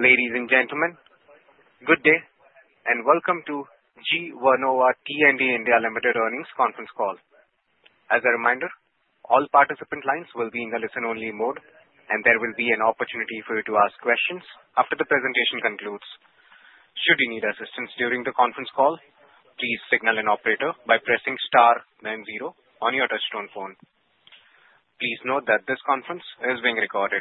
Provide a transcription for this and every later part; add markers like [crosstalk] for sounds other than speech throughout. Ladies and gentlemen, good day and welcome to GE Vernova T&D India Limited Earnings Conference Call. As a reminder, all participant lines will be in the listen-only mode, and there will be an opportunity for you to ask questions after the presentation concludes. Should you need assistance during the conference call, please signal an operator by pressing star then zero on your touch-tone phone. Please note that this conference is being recorded.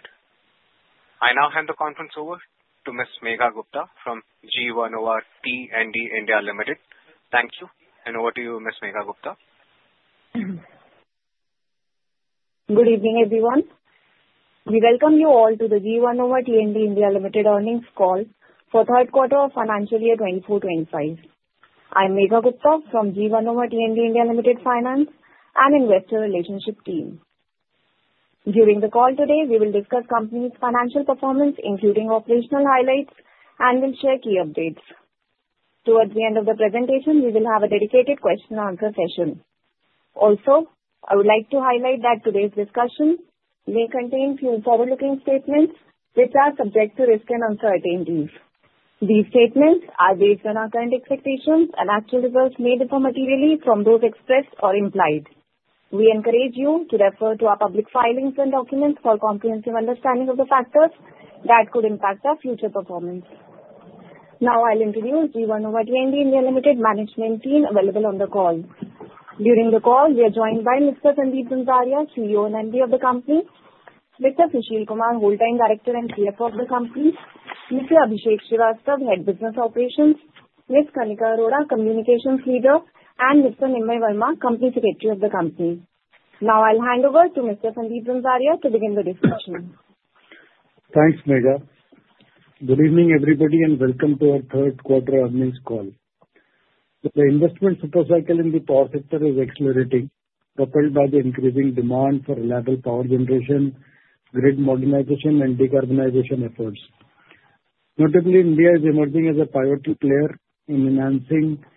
I now hand the conference over to Ms. Megha Gupta from GE Vernova T&D India Limited. Thank you, and over to you, Ms. Megha Gupta. Good evening, everyone. We welcome you all to the GE Vernova T&D India Limited Earnings Call for Third Quarter of Financial Year 2024-2025. I'm Megha Gupta from GE Vernova T&D India Limited finance and investor relations team. During the call today, we will discuss company's financial performance, including operational highlights, and we'll share key updates. Towards the end of the presentation, we will have a dedicated question-and-answer session. Also, I would like to highlight that today's discussion may contain a few forward-looking statements which are subject to risk and uncertainties. These statements are based on our current expectations and actual results may differ materially from those expressed or implied. We encourage you to refer to our public filings and documents for comprehensive understanding of the factors that could impact our future performance. Now, I'll introduce GE Vernova T&D India Limited management team available on the call. During the call, we are joined by Mr. Sandeep Zanzaria, CEO and MD of the company, Mr. Sushil Kumar, Whole Time Director and CFO of the company, Mr. Abhishek Srivastava, Head Business Operations, Ms. Kanika Arora, Communications Leader, and Mr. Nimai Verma, Company Secretary of the company. Now, I'll hand over to Mr. Sandeep Zanzaria to begin the discussion. Thanks, Megha. Good evening, everybody, and welcome to our Third Quarter Earnings Call. The investment supercycle in the power sector is accelerating, propelled by the increasing demand for reliable power generation, grid modernization, and decarbonization efforts. Notably, India is emerging as a pivotal player in enhancing the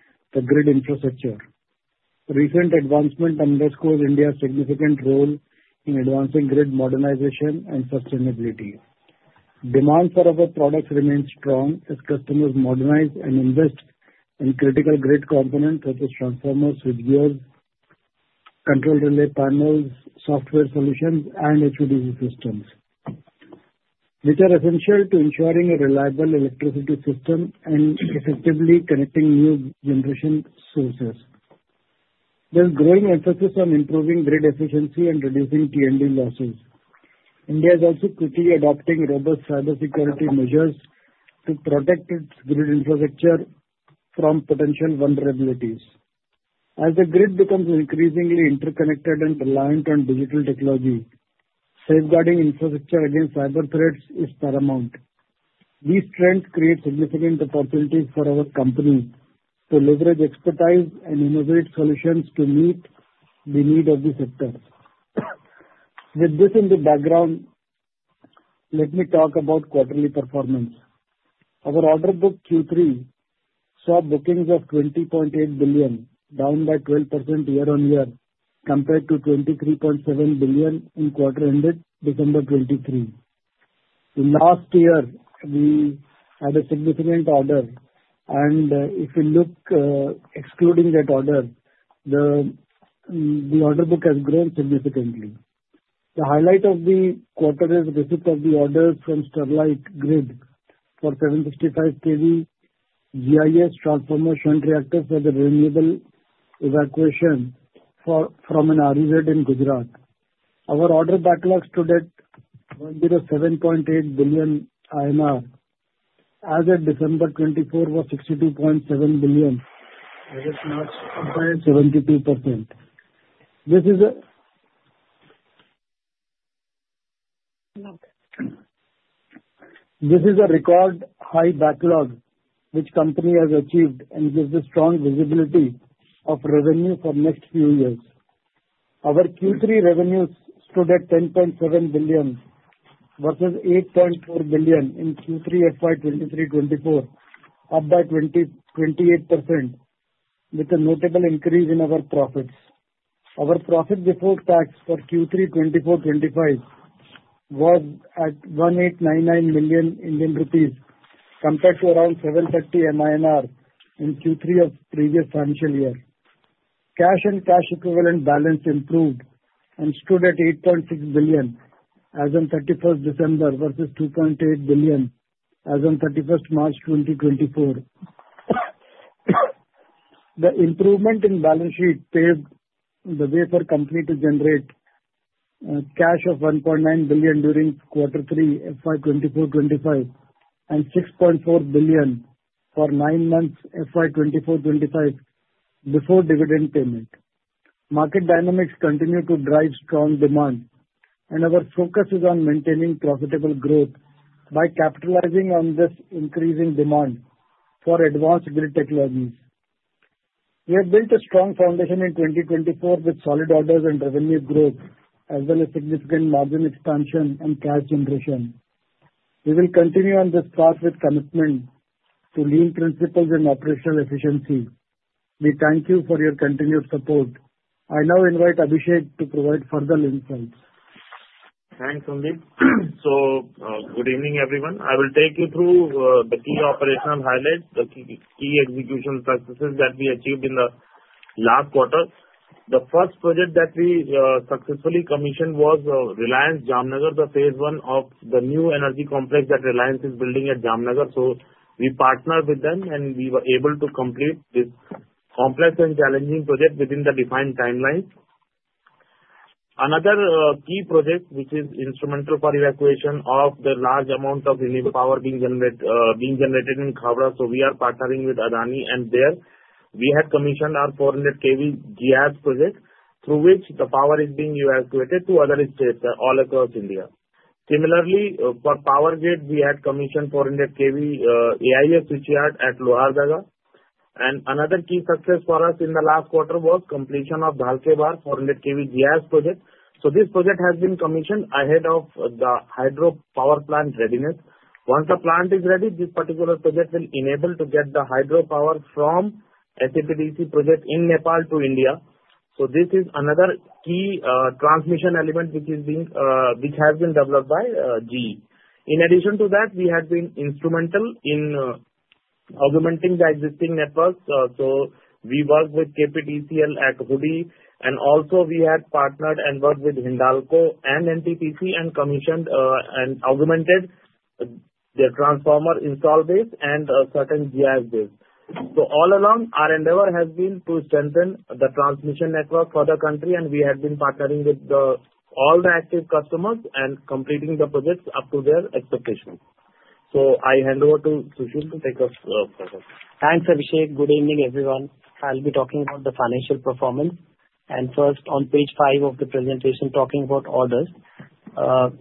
grid infrastructure. Recent advancement underscores India's significant role in advancing grid modernization and sustainability. Demand for our products remains strong as customers modernize and invest in critical grid components such as transformers, switchgears, control relay panels, software solutions, and HVDC systems, which are essential to ensuring a reliable electricity system and effectively connecting new generation sources. There's growing emphasis on improving grid efficiency and reducing T&D losses. India is also quickly adopting robust cybersecurity measures to protect its grid infrastructure from potential vulnerabilities. As the grid becomes increasingly interconnected and reliant on digital technology, safeguarding infrastructure against cyber threats is paramount. These trends create significant opportunities for our company to leverage expertise and innovate solutions to meet the need of the sector. With this in the background, let me talk about quarterly performance. Our order book Q3 saw bookings of 20.8 billion, down by 12% year-on-year, compared to 23.7 billion in quarter ended December 2023. Last year, we had a significant order, and if you look excluding that order, the order book has grown significantly. The highlight of the quarter is the receipt of the orders from Sterlite Grid for 765 kV GIS, transformers, and shunt reactors for the renewable evacuation from an REZ in Gujarat. Our order backlog stood at 107.8 billion, as of December 2024, was 62.7 billion, which is now up by 72%. This is a record high backlog which the company has achieved and gives a strong visibility of revenue for the next few years. Our Q3 revenues stood at 10.7 billion versus 8.4 billion in Q3 FY 2023-2024, up by 28%, with a notable increase in our profits. Our profit before tax for Q3 2024-2025 was at 1,899 million Indian rupees, compared to around 730 million in Q3 of the previous financial year. Cash and cash equivalent balance improved and stood at 8.6 billion as of 31st December 2024 versus 2.8 billion as of 31st March 2024. The improvement in balance sheet paved the way for the company to generate cash of 1.9 billion during quarter three FY 2024-2025 and 6.4 billion for nine months FY 2024-2025 before dividend payment. Market dynamics continue to drive strong demand, and our focus is on maintaining profitable growth by capitalizing on this increasing demand for advanced grid technologies. We have built a strong foundation in 2024 with solid orders and revenue growth, as well as significant margin expansion and cash generation. We will continue on this path with commitment to lean principles and operational efficiency. We thank you for your continued support. I now invite Abhishek to provide further insights. Thanks, Sandeep. So, good evening, everyone. I will take you through the key operational highlights, the key execution successes that we achieved in the last quarter. The first project that we successfully commissioned was Reliance Jamnagar, the phase one of the New Energy complex that Reliance is building at Jamnagar. So, we partnered with them, and we were able to complete this complex and challenging project within the defined timeline. Another key project, which is instrumental for evacuation of the large amount of renewable power being generated in Khavda, so we are partnering with Adani, and there we had commissioned our 400 kV GIS project, through which the power is being evacuated to other states all across India. Similarly, for Power Grid, we had commissioned 400 kV AIS switchyard at Lohardaga. Another key success for us in the last quarter was the completion of Dhalkebar 400 kV GIS project. This project has been commissioned ahead of the hydropower plant's readiness. Once the plant is ready, this particular project will enable us to get the hydropower from SAPDC project in Nepal to India. This is another key transmission element which has been developed by GE. In addition to that, we have been instrumental in augmenting the existing networks. We worked with KPTCL at Hoodi, and also we had partnered and worked with Hindalco and NTPC and commissioned and augmented their transformer installed base and certain GIS base. All along, our endeavor has been to strengthen the transmission network for the country, and we have been partnering with all the active customers and completing the projects up to their expectations. So, I hand over to Sushil to take us further. Thanks, Abhishek. Good evening, everyone. I'll be talking about the financial performance. And first, on page five of the presentation, talking about orders,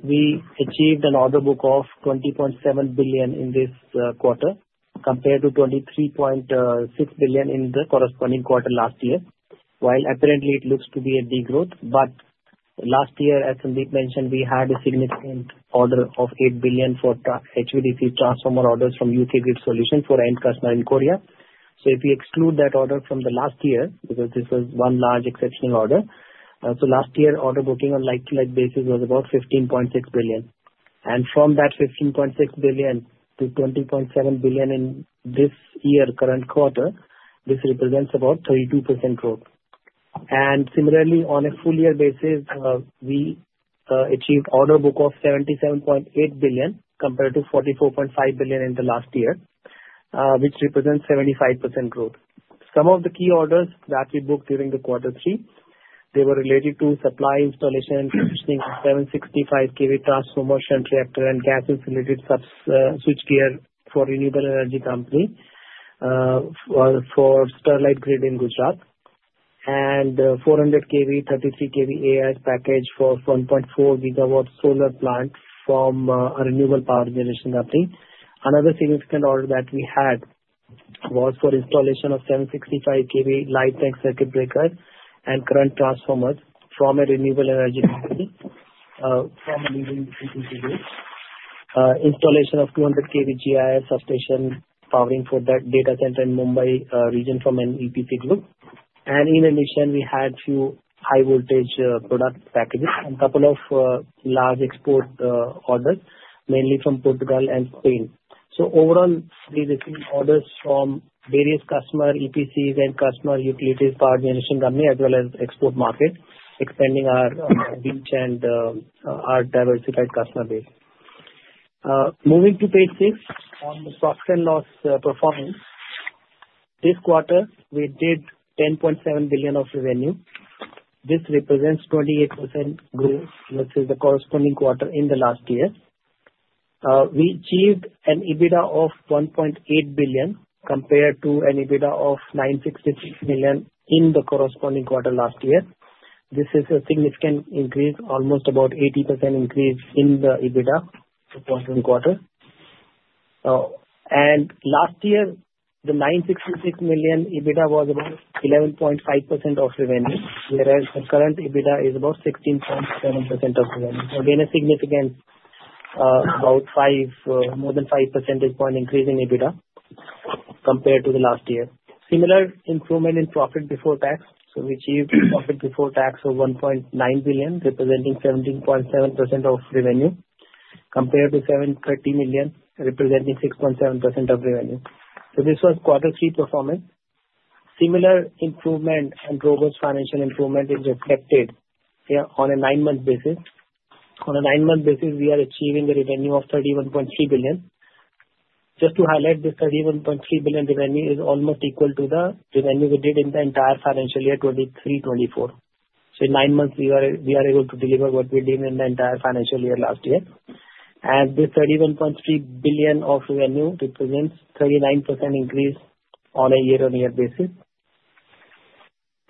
we achieved an order book of 20.7 billion in this quarter, compared to 23.6 billion in the corresponding quarter last year, while apparently it looks to be a degrowth. But last year, as Sandeep mentioned, we had a significant order of 8 billion for HVDC transformer orders from UK Grid Solutions for our end customer in Korea. So, if we exclude that order from the last year, because this was one large exceptional order, so last year's order booking on a like-to-like basis was about 15.6 billion. And from that 15.6 billion-20.7 billion in this year, current quarter, this represents about 32% growth. Similarly, on a full-year basis, we achieved an order book of 77.8 billion, compared to 44.5 billion in the last year, which represents 75% growth. Some of the key orders that we booked during quarter three, they were related to supply installation and commissioning of 765 kV transformer, shunt reactor, and gas-insulated switchgear for a renewable energy company for Sterlite Grid in Gujarat, and the 400 kV 33 kV AIS package for a 1.4 GW solar plant from a renewable power generation company. Another significant order that we had was for installation of 765 kV live tank circuit breakers and current transformers from a renewable energy company from a leading company today. Installation of 220 kV GIS substation powering for that data center in the Mumbai region from an EPC group. In addition, we had a few high-voltage product packages and a couple of large export orders, mainly from Portugal and Spain. Overall, we received orders from various customer EPCs and customer utilities power generation companies, as well as the export market, expanding our reach and our diversified customer base. Moving to page six on the profit and loss performance, this quarter, we did 10.7 billion of revenue. This represents 28% growth versus the corresponding quarter in the last year. We achieved an EBITDA of 1.8 billion, compared to an EBITDA of 966 million in the corresponding quarter last year. This is a significant increase, almost about an 80% increase in the EBITDA for the quarter. Last year, the 966 million EBITDA was about 11.5% of revenue, whereas the current EBITDA is about 16.7% of revenue. Again, a significant about more than five percentage points increase in EBITDA compared to the last year. Similar improvement in profit before tax. So, we achieved profit before tax of 1.9 billion, representing 17.7% of revenue, compared to 730 million, representing 6.7% of revenue. So, this was quarter three performance. Similar improvements and robust financial improvement is reflected on a nine-month basis. On a nine-month basis, we are achieving a revenue of 31.3 billion. Just to highlight, this 31.3 billion revenue is almost equal to the revenue we did in the entire financial year 2023-2024. So, in nine months, we are able to deliver what we did in the entire financial year last year. And this 31.3 billion of revenue represents a 39% increase on a year-on-year basis.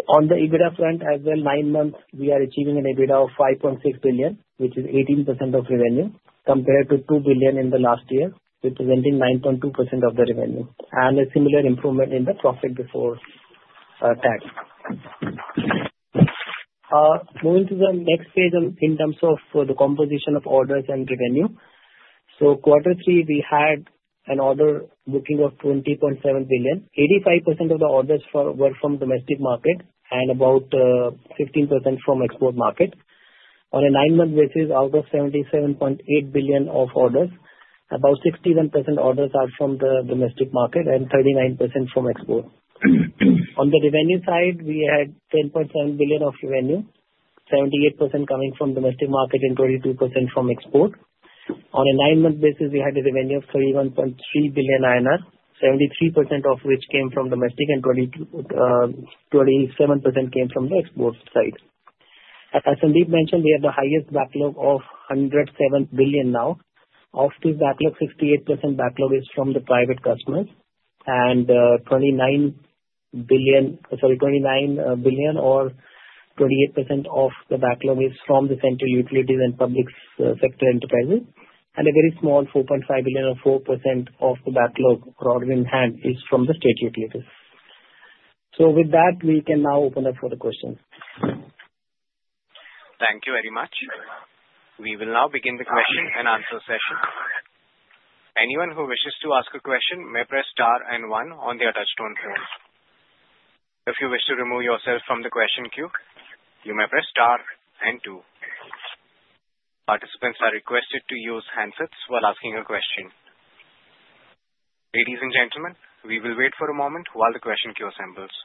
On the EBITDA front, as well, for the nine months, we are achieving an EBITDA of 5.6 billion, which is 18% of revenue, compared to 2 billion in the last year, representing 9.2% of the revenue, and a similar improvement in the profit before tax. Moving to the next page in terms of the composition of orders and revenue, so quarter three, we had an order booking of 20.7 billion. 85% of the orders were from the domestic market and about 15% from the export market. On a nine-month basis, out of 77.8 billion of orders, about 61% of orders are from the domestic market and 39% from export. On the revenue side, we had 10.7 billion of revenue, 78% coming from the domestic market and 22% from export. On a nine-month basis, we had a revenue of 31.3 billion INR, 73% of which came from domestic and 27% came from the export side. As Sandeep mentioned, we have the highest backlog of 107 billion now. Of this backlog, 68% backlog is from the private customers, and 29 billion, sorry, 29 billion or 28% of the backlog is from the central utilities and public sector enterprises. And a very small 4.5 billion or 4% of the backlog, broadly in hand, is from the state utilities. So, with that, we can now open up for the questions. Thank you very much. We will now begin the question-and-answer-session. Anyone who wishes to ask a question may press star and one on their touch-tone phone. If you wish to remove yourself from the question queue, you may press star and two. Participants are requested to use handsets while asking a question. Ladies and gentlemen, we will wait for a moment while the question queue assembles.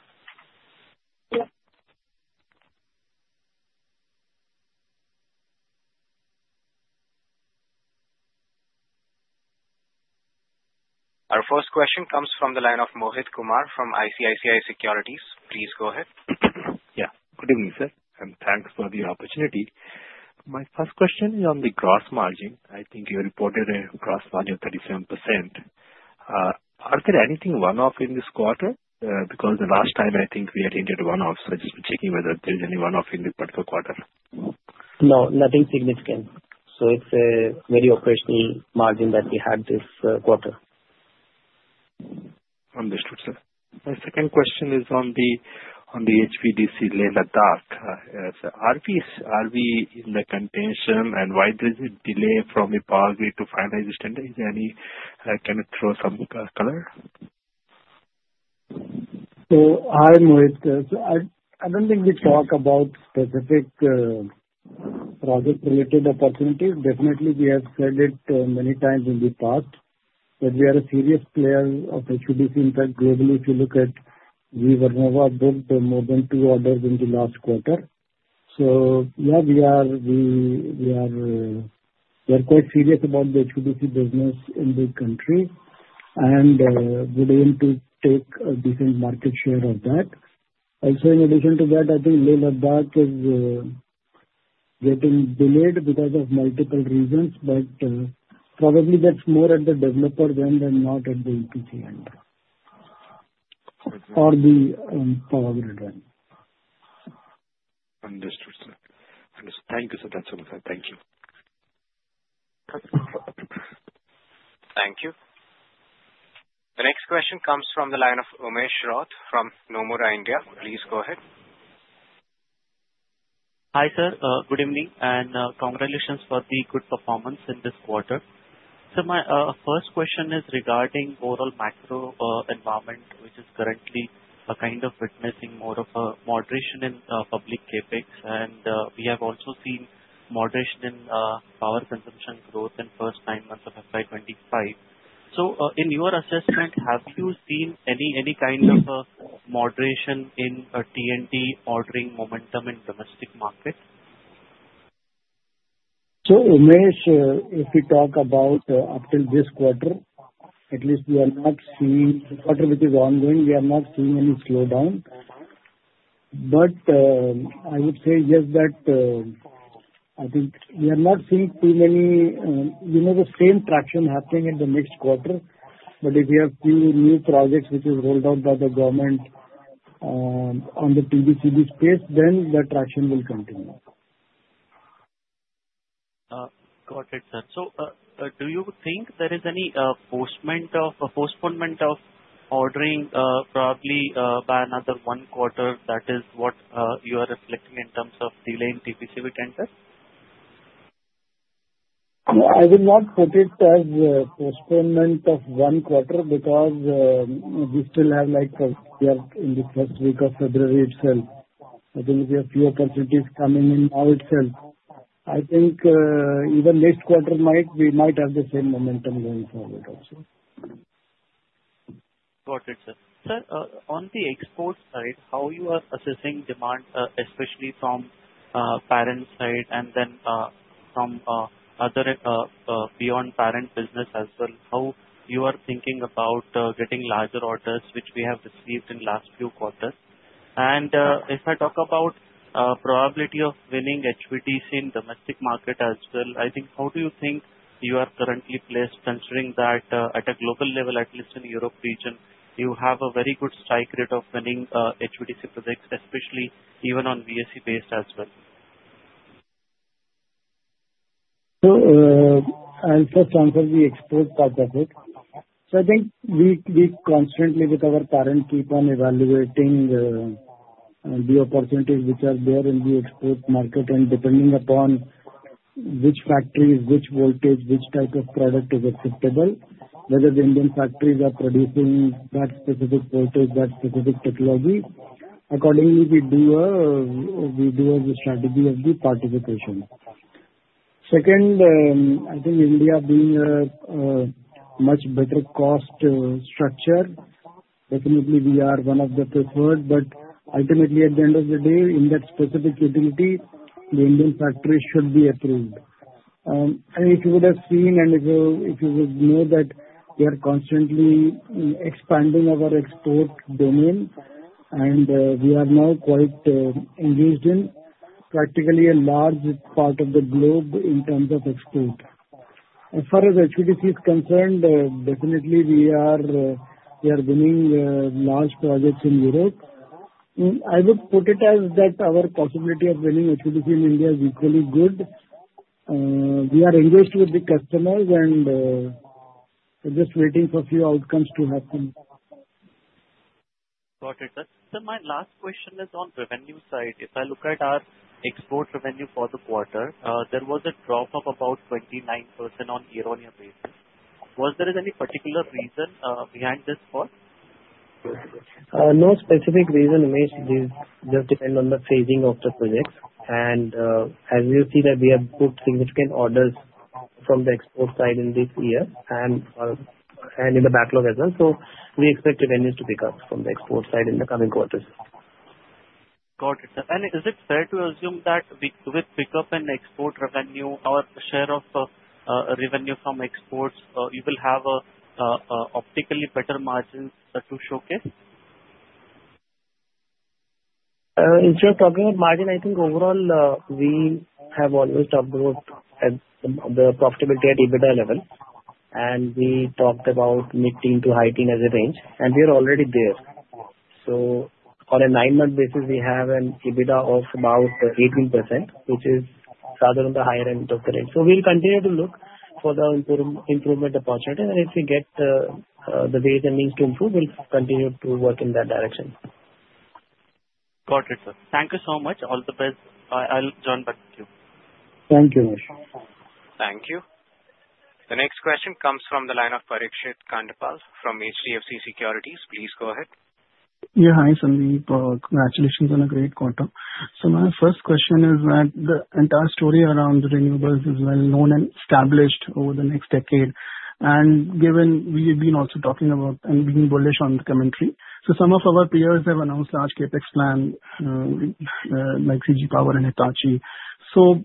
Our first question comes from the line of Mohit Kumar from ICICI Securities. Please go ahead. Yeah. Good evening, sir, and thanks for the opportunity. My first question is on the gross margin. I think you reported a gross margin of 37%. Are there anything one-off in this quarter? Because the last time, I think we had ended one-off, so I'm just checking whether there's any one-off in this particular quarter. No, nothing significant. So, it's a very operating margin that we had this quarter. Understood, sir. My second question is on the HVDC Leh-Ladakh. Are we in contention, and why does it delay from the Power Grid to finalize the standard? Can you throw some color? So, I'm with this I don't think we talk about specific project-related opportunities. Definitely, we have said it many times in the past that we are a serious player of HVDC. In fact, globally, if you look at GE Vernova, we booked more than two orders in the last quarter. So, yeah, we are quite serious about the HVDC business in the country and would aim to take a decent market share of that. Also, in addition to that, I think Leh-Ladakh is getting delayed because of multiple reasons, but probably that's more at the developer's end and not at the EPC end or the Power Grid end. Understood, sir. Understood. Thank you, sir. That's all. Thank you. [audio distortion] Thank you. The next question comes from the line of Umesh Raut from Nomura India. Please go ahead. Hi, sir. Good evening and congratulations for the good performance in this quarter. Sir, my first question is regarding overall macro environment, which is currently kind of witnessing more of a moderation in public CapEx, and we have also seen moderation in power consumption growth in the first nine months of FY 2025. In your assessment, have you seen any kind of moderation in T&D ordering momentum in the domestic market? Umesh, if we talk about up till this quarter, at least we are not seeing the quarter which is ongoing, we are not seeing any slowdown. But I would say just that I think we are not seeing too many. We know the same traction happening in the next quarter, but if we have a few new projects which are rolled out by the government on the TBCB space, then the traction will continue. Got it, sir. So, do you think there is any postponement of ordering probably by another one quarter? That is what you are reflecting in terms of delaying TBCB tender? I would not put it as postponement of one quarter because we still have like we are in the first week of February 2025 itself. I think we have a few opportunities coming in now itself. I think even next quarter, we might have the same momentum going forward also. Got it, sir. Sir, on the export side, how you are assessing demand, especially from parent side and then from other beyond parent business as well, how you are thinking about getting larger orders, which we have received in the last few quarters? And if I talk about the probability of winning HVDC in the domestic market as well, I think how do you think you are currently placed considering that at a global level, at least in the Europe region, you have a very good strike rate of winning HVDC projects, especially even on VSC-based as well? So, I'll first answer the export part of it. So, I think we constantly, with our parent, keep on evaluating the opportunities which are there in the export market, and depending upon which factories, which voltage, which type of product is acceptable, whether the Indian factories are producing that specific voltage, that specific technology, accordingly, we do a strategy of the participation. Second, I think India being a much better cost structure, definitely we are one of the preferred, but ultimately, at the end of the day, in that specific utility, the Indian factory should be approved. And if you would have seen and if you would know that we are constantly expanding our export domain, and we are now quite engaged in practically a large part of the globe in terms of export. As far as HVDC is concerned, definitely we are winning large projects in Europe. I would put it as that our possibility of winning HVDC in India is equally good. We are engaged with the customers, and we're just waiting for a few outcomes to happen. Got it, sir. Sir, my last question is on revenue side. If I look at our export revenue for the quarter, there was a drop of about 29% on a year-on-year basis. Was there any particular reason behind this fall? No specific reason, Umesh. It just depends on the phasing of the projects, and as you see that we have booked significant orders from the export side in this year and in the backlog as well, so we expect revenues to pick up from the export side in the coming quarters. Got it, sir. And is it fair to assume that with pickup and export revenue, our share of revenue from exports, you will have optically better margins to showcase? When you're talking about margin, I think overall, we have always talked about the profitability at EBITDA level, and we talked about mid-teen to high-teen as a range, and we are already there. So, on a nine-month basis, we have an EBITDA of about 18%, which is rather on the higher end of the range. So, we'll continue to look for the improvement opportunities, and if we get the ways and means to improve, we'll continue to work in that direction. Got it, sir. Thank you so much. All the best. I'll join back with you. Thank you, Umesh. Thank you. The next question comes from the line of Parikshit Kandpal from HDFC Securities. Please go ahead. Yeah, hi Sandeep. Congratulations on a great quarter. So, my first question is that the entire story around the renewables is well-known and established over the next decade. And given we have been also talking about and being bullish on the commentary, so some of our peers have announced large CapEx plans like CG Power and Hitachi. So,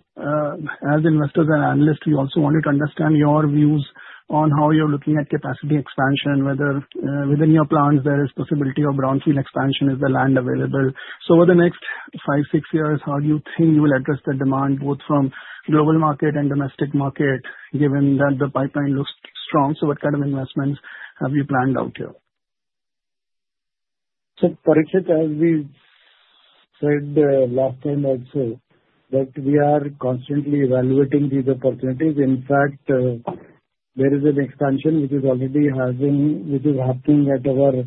as investors and analysts, we also wanted to understand your views on how you're looking at capacity expansion, whether within your plans there is possibility of brownfield expansion if the land is available. So, over the next 5-6 years, how do you think you will address the demand both from the global market and domestic market, given that the pipeline looks strong? So, what kind of investments have you planned out here? Parikshit, as we said last time, also, that we are constantly evaluating these opportunities. In fact, there is an expansion which is already happening, which is happening at our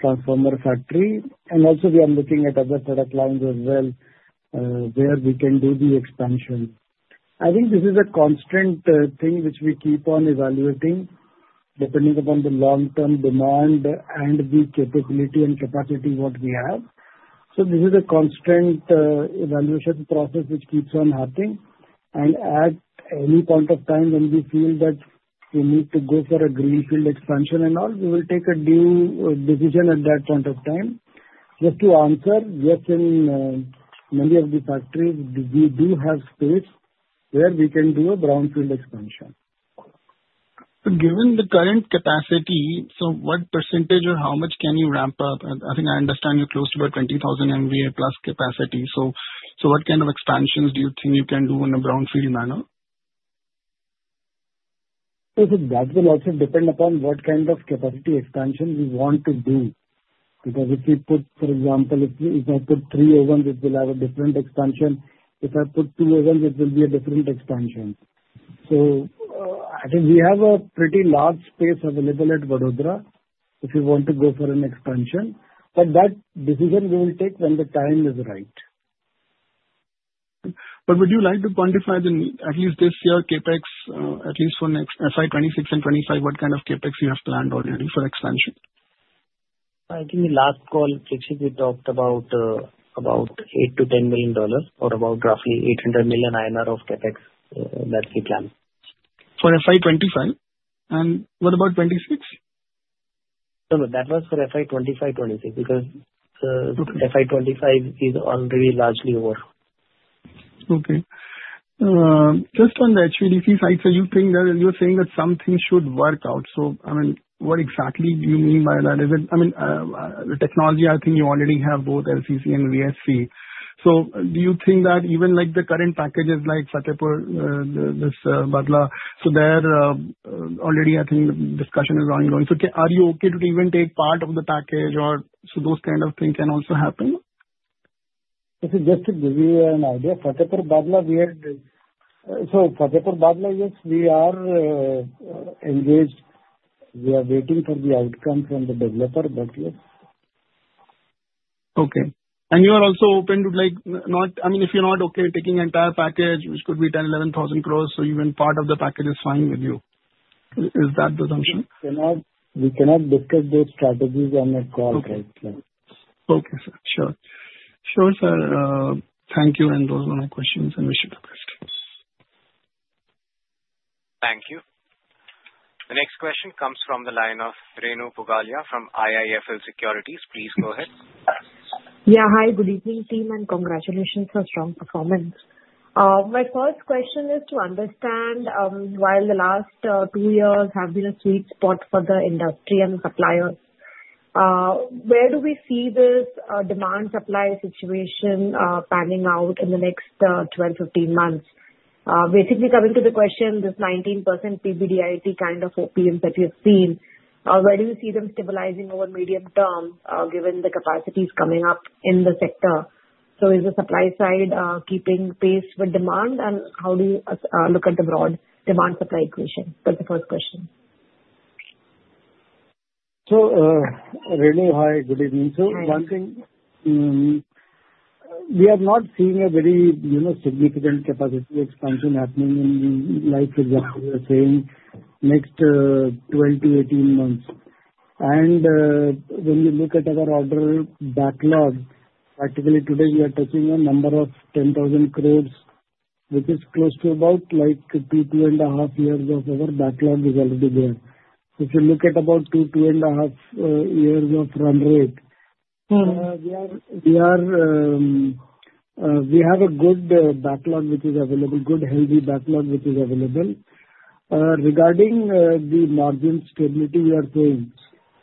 transformer factory. And also, we are looking at other product lines as well where we can do the expansion. I think this is a constant thing which we keep on evaluating, depending upon the long-term demand and the capability and capacity what we have. This is a constant evaluation process which keeps on happening. And at any point of time when we feel that we need to go for a greenfield expansion and all, we will take a new decision at that point of time. Just to answer, yes, in many of the factories, we do have space where we can do a brownfield expansion. Given the current capacity, so what percentage or how much can you ramp up? I think I understand you're close to about 20,000 MVA+ capacity. So, what kind of expansions do you think you can do in a brownfield manner? So, that will also depend upon what kind of capacity expansion we want to do. Because if we put, for example, if I put three ovens, it will have a different expansion. If I put two ovens, it will be a different expansion. So, I think we have a pretty large space available at Vadodara if we want to go for an expansion. But that decision we will take when the time is right. But would you like to quantify the, at least this year, CapEx, at least for FY 2026 and 2025, what kind of CapEx you have planned already for expansion? I think the last call, Parikshit, we talked about $8 million-$10 million or about roughly 800 million INR of CapEx that we planned. For FY 2025 and what about 2026? No, no. That was for FY 2025-2026, because FY 2025 is already largely over. Okay. Just on the HVDC side, sir, you think that you're saying that something should work out? So, I mean, what exactly do you mean by that? I mean, the technology, I think you already have both LCC and VSC. So, do you think that even the current packages like Fatehpur, this Bhadla, so there already, I think the discussion is ongoing. So, are you okay to even take part of the package or so those kind of things can also happen? Just to give you an idea, Fatehpur-Bhadla, yes, we are engaged. We are waiting for the outcome from the developer, but yes. Okay. And you are also open to not I mean, if you're not okay taking the entire package, which could be 10,000-11,000 crore, so even part of the package is fine with you. Is that the assumption? We cannot discuss those strategies on a call right now. Okay, sir. Sure. Sure, sir. Thank you, and those were my questions, and wish you the best. Thank you. The next question comes from the line of Renu Pugalia from IIFL Securities. Please go ahead. Yeah, hi. Good evening, team, and congratulations for strong performance. My first question is to understand, while the last two years have been a sweet spot for the industry and the suppliers, where do we see this demand-supply situation panning out in the next 12-15 months? Basically, coming to the question, this 19% PBDIT kind of OPMs that you've seen, where do you see them stabilizing over medium term given the capacities coming up in the sector? So, is the supply side keeping pace with demand, and how do you look at the broad demand-supply equation? That's the first question. So, Renu, hi. Good evening. So, one thing, we are not seeing a very significant capacity expansion happening in, like you were saying, next 12-18 months. And when you look at our order backlog, practically today, we are touching a number of 10,000 crore, which is close to about like 2-2.5 years of our backlog is already there. So, if you look at about 2-2.5 years of run rate, we have a good backlog which is available, good, healthy backlog which is available. Regarding the margin stability you are saying,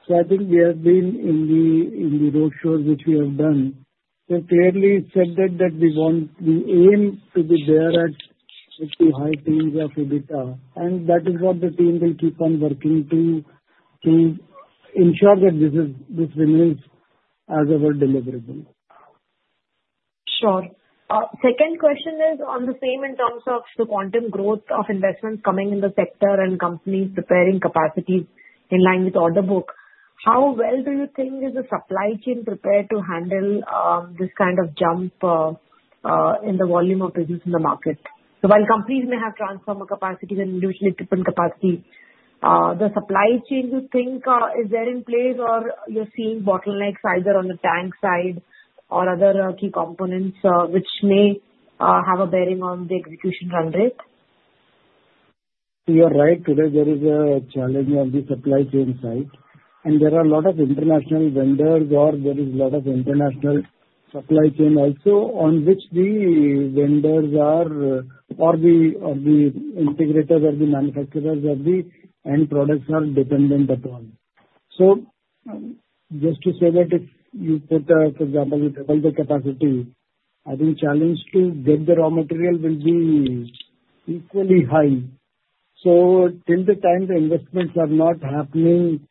so I think we have been in the roadshows which we have done. So, clearly said that we aim to be there at the high teens of EBITDA, and that is what the team will keep on working to ensure that this remains as our deliverable. Sure. Second question is on the same in terms of the quantum growth of investments coming in the sector and companies preparing capacities in line with order book. How well do you think is the supply chain prepared to handle this kind of jump in the volume of business in the market? So, while companies may have transformer capacity and individually different capacity, the supply chain, you think, is there in place or you're seeing bottlenecks either on the tank side or other key components which may have a bearing on the execution run rate? You are right. Today, there is a challenge on the supply chain side, and there are a lot of international vendors or there is a lot of international supply chain also on which the vendors are or the integrators or the manufacturers of the end products are dependent upon. So, just to say that if you put, for example, you double the capacity, I think the challenge to get the raw material will be equally high. So, till the time the investments are not happening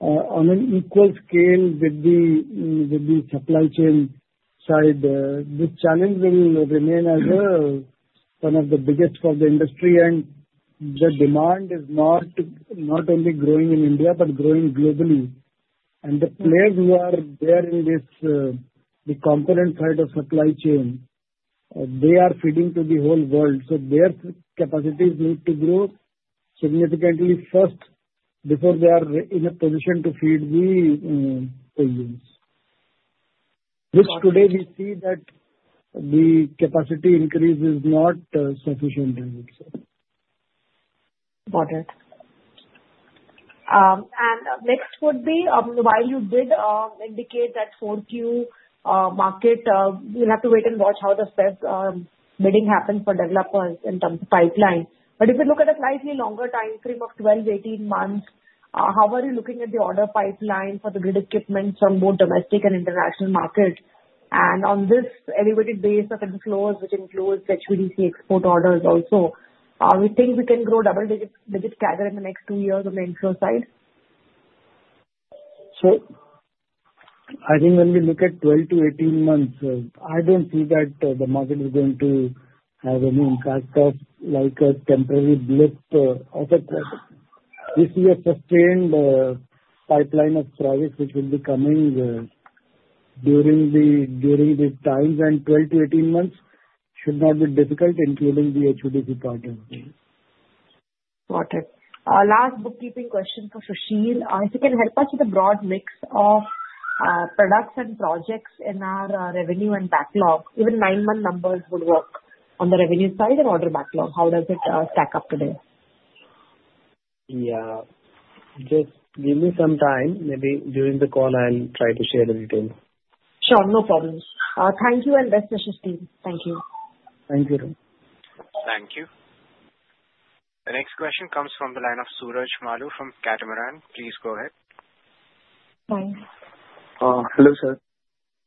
on an equal scale with the supply chain side, this challenge will remain as one of the biggest for the industry, and the demand is not only growing in India but growing globally. And the players who are there in the component side of supply chain, they are feeding to the whole world. So, their capacities need to grow significantly first before they are in a position to feed the consumers. Which today, we see that the capacity increase is not sufficient as it is. Got it. And next would be, while you did indicate that for the year market, we'll have to wait and watch how the bidding happens for developers in terms of pipeline. But if you look at a slightly longer time frame of 12-18 months, how are you looking at the order pipeline for the grid equipment from both domestic and international market? And on this elevated base of inflows, which includes HVDC export orders also, we think we can grow double-digit cash in the next two years on the inflow side? I think when we look at 12-18 months, I don't see that the market is going to have any impact of like a temporary blip of a project. If we have sustained a pipeline of projects which will be coming during these times in 12-18 months, it should not be difficult, including the HVDC part of this. Got it. Last bookkeeping question for Sushil. If you can help us with a broad mix of products and projects in our revenue and backlog, even nine-month numbers would work on the revenue side and order backlog. How does it stack up today? Yeah. Just give me some time. Maybe during the call, I'll try to share the details. Sure. No problem. Thank you and best wishes, team. Thank you. Thank you, Renu. Thank you. The next question comes from the line of Suraj Malu from Catamaran. Please go ahead. Hi. Hello, sir.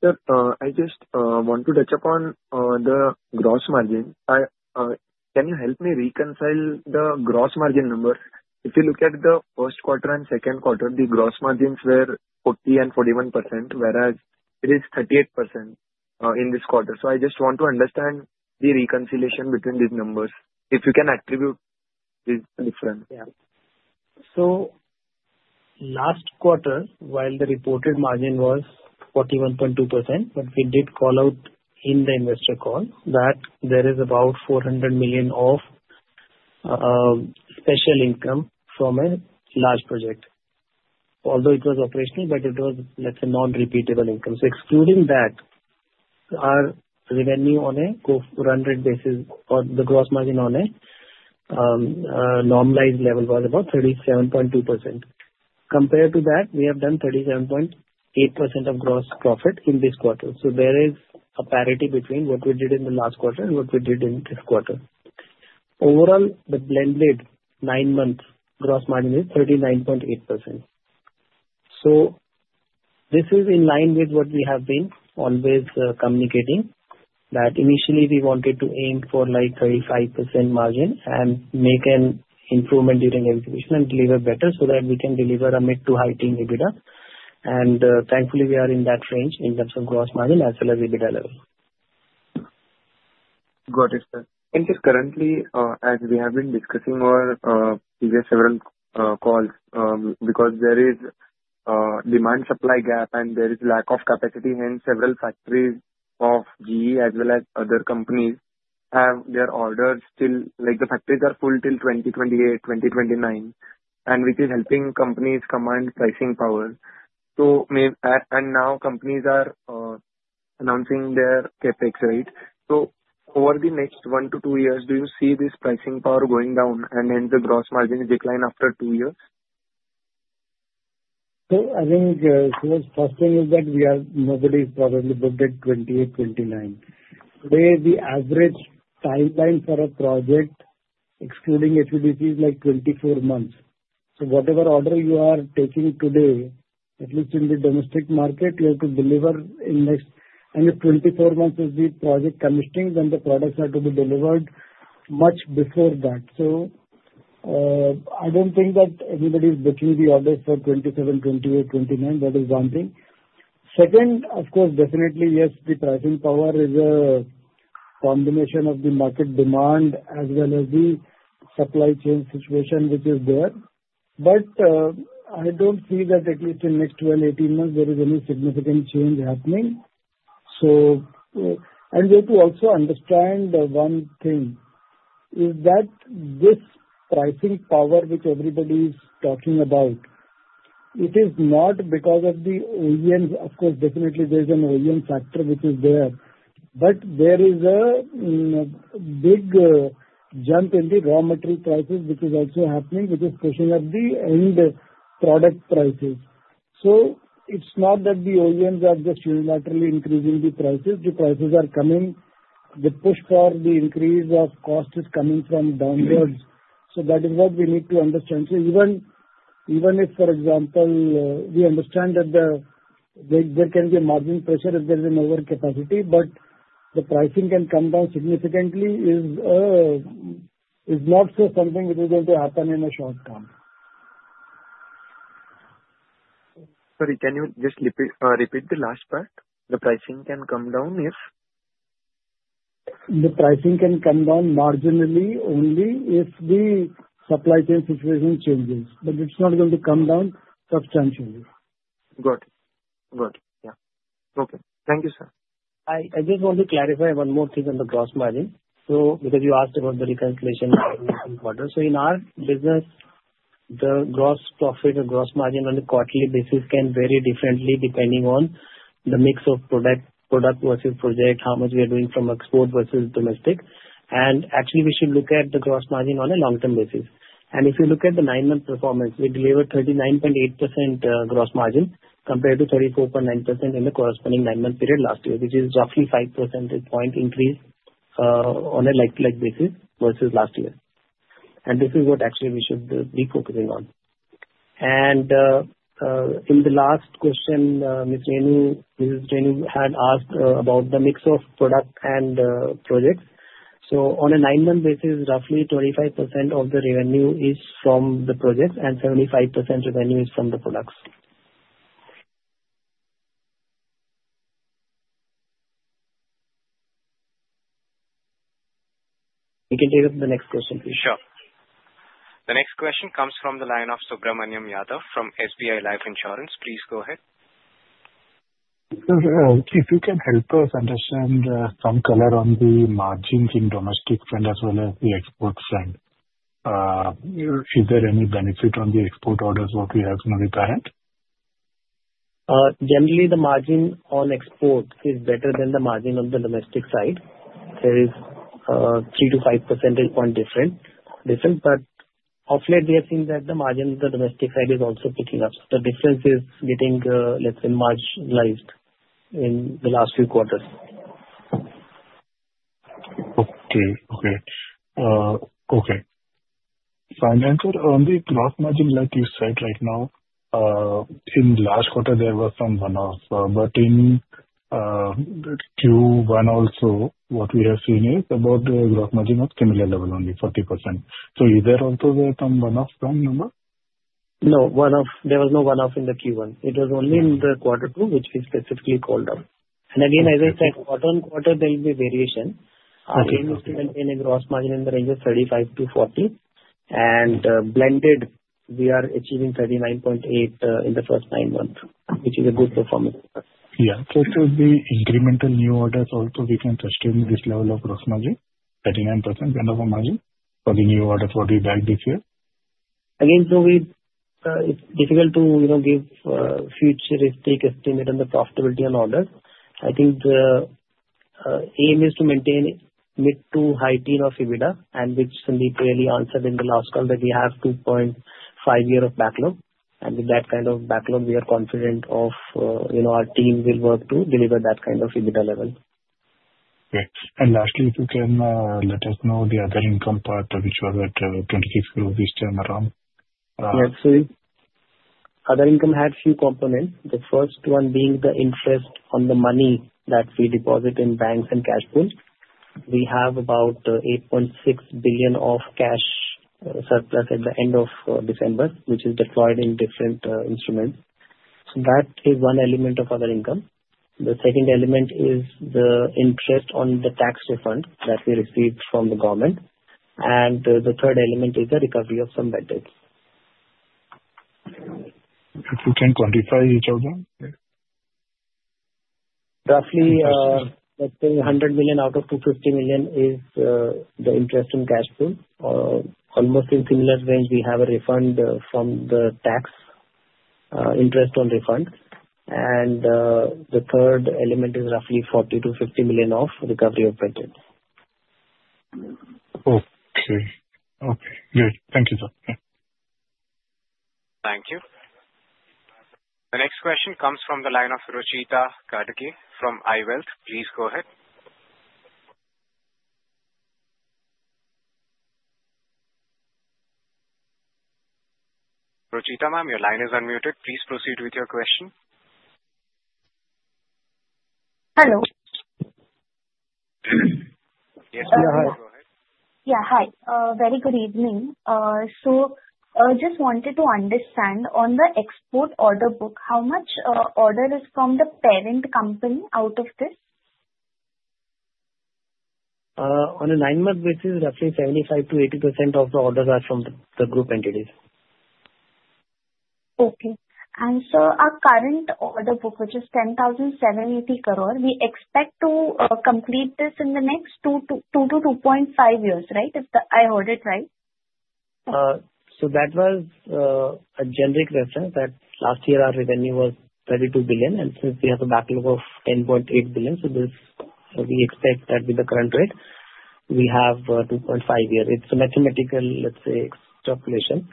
Sir, I just want to touch upon the gross margin. Can you help me reconcile the gross margin numbers? If you look at the first quarter and second quarter, the gross margins were 40% and 41%, whereas it is 38% in this quarter. So, I just want to understand the reconciliation between these numbers. If you can attribute this difference. Yeah. So, last quarter, while the reported margin was 41.2%, but we did call out in the investor call that there is about 400 million of special income from a large project. Although it was operational, but it was, let's say, non-repeatable income. So, excluding that, our revenue on a run rate basis or the gross margin on a normalized level was about 37.2%. Compared to that, we have done 37.8% of gross profit in this quarter. So, there is a parity between what we did in the last quarter and what we did in this quarter. Overall, the blended nine-month gross margin is 39.8%. This is in line with what we have been always communicating that initially we wanted to aim for like 35% margin and make an improvement during execution and deliver better so that we can deliver a mid- to high-teens EBITDA. Thankfully, we are in that range in terms of gross margin as well as EBITDA level. Got it, sir. Just currently, as we have been discussing over previous several calls, because there is a demand-supply gap and there is lack of capacity, hence several factories of GE as well as other companies have their orders still, like the factories are full till 2028-2029, and which is helping companies command pricing power. Now companies are announcing their CapEx, right? Over the next 1-2 years, do you see this pricing power going down and hence the gross margin decline after two years? So, I think the first thing is that nobody is probably booked at 2028-2029. Today, the average timeline for a project, excluding HVDCs, is like 24 months. So, whatever order you are taking today, at least in the domestic market, you have to deliver in next and if 24 months is the project commissioning, then the products have to be delivered much before that. So, I don't think that anybody is booking the orders for 2027-2028-2029. That is one thing. Second, of course, definitely, yes, the pricing power is a combination of the market demand as well as the supply chain situation which is there. But I don't see that at least in the next 12-18 months, there is any significant change happening. And we have to also understand one thing is that this pricing power which everybody is talking about, it is not because of the OEMs. Of course, definitely, there is an OEM factor which is there. But there is a big jump in the raw material prices which is also happening, which is pushing up the end product prices. So, it's not that the OEMs are just unilaterally increasing the prices. The prices are coming. The push for the increase of cost is coming from downwards. So, that is what we need to understand. So, even if, for example, we understand that there can be a margin pressure if there is an overcapacity, but the pricing can come down significantly is not something which is going to happen in the short term. Sorry, can you just repeat the last part? The pricing can come down if? The pricing can come down marginally only if the supply chain situation changes. But it's not going to come down substantially. Got it. Got it. Yeah. Okay. Thank you, sir. I just want to clarify one more thing on the gross margin. So, because you asked about the reconciliation and order. So, in our business, the gross profit or gross margin on a quarterly basis can vary differently depending on the mix of product versus project, how much we are doing from export versus domestic. And actually, we should look at the gross margin on a long-term basis. And if you look at the nine-month performance, we delivered 39.8% gross margin compared to 34.9% in the corresponding nine-month period last year, which is roughly a five percentage point increase on a like-to-like basis versus last year. And this is what actually we should be focusing on. And in the last question, Ms. Renu, Ms. Renu had asked about the mix of product and projects. On a nine-month basis, roughly 25% of the revenue is from the projects and 75% revenue is from the products. You can take up the next question, please. Sure. The next question comes from the line of Subramaniam Yadav from SBI Life Insurance. Please go ahead. If you can help us understand some color on the margins in domestic front as well as the export front, is there any benefit on the export orders what we have from the current? Generally, the margin on export is better than the margin on the domestic side. There is a three to five percentage point difference. But of late, we have seen that the margin on the domestic side is also picking up. The difference is getting, let's say, marginalized in the last few quarters. [unclear audio] on the gross margin, like you said right now, in the last quarter, there was some one-off. But in Q1 also, what we have seen is about the gross margin of similar level, only 40%. So, is there also some one-off from number? No. There was no one-off in the Q1. It was only in the quarter two, which we specifically called up. And again, as I said, quarter-on-quarter, there will be variation. The aim is to maintain a gross margin in the range of 35%-40%. And blended, we are achieving 39.8% in the first nine months, which is a good performance. Yeah. So, should the incremental new orders also, we can sustain this level of gross margin, 39% one-off margin for the new orders what we bagged this year? Again, it's difficult to give future risk-take estimate on the profitability on orders. I think the aim is to maintain mid- to high-teens of EBITDA, and which can be clearly answered in the last call that we have 2.5 years of backlog. With that kind of backlog, we are confident our team will work to deliver that kind of EBITDA level. Great. And lastly, if you can let us know the other income part, which was at 26 crore this time around. Yeah. So, other income had a few components. The first one being the interest on the money that we deposit in banks and cash pool. We have about 8.6 billion of cash surplus at the end of December 2024, which is deployed in different instruments. So, that is one element of other income. The second element is the interest on the tax refund that we received from the government. And the third element is the recovery of some debts. If you can quantify each other? Roughly, let's say 100 million out of 250 million is the interest on cash pool. Almost in similar range, we have a refund from the tax, interest on refund. And the third element is roughly 40-50 million of recovery of debt. Okay. Okay. Great. Thank you, sir. Thank you. The next question comes from the line of Rucheeta Kadge from iWealth. Please go ahead. Rucheeta ma'am, your line is unmuted. Please proceed with your question. Hello. Yes, go ahead. Yeah. Hi. Very good evening. So, I just wanted to understand on the export order book, how much order is from the parent company out of this? On a nine-month basis, roughly 75%-80% of the orders are from the group entities. Okay. And so, our current order book, which is 10,780 crore, we expect to complete this in the next 2-2.5 years, right? If I heard it right. That was a generic reference that last year, our revenue was 32 billion. And since we have a backlog of 10.8 billion, so we expect that with the current rate, we have 2.5 years. It's a mathematical, let's say, calculation.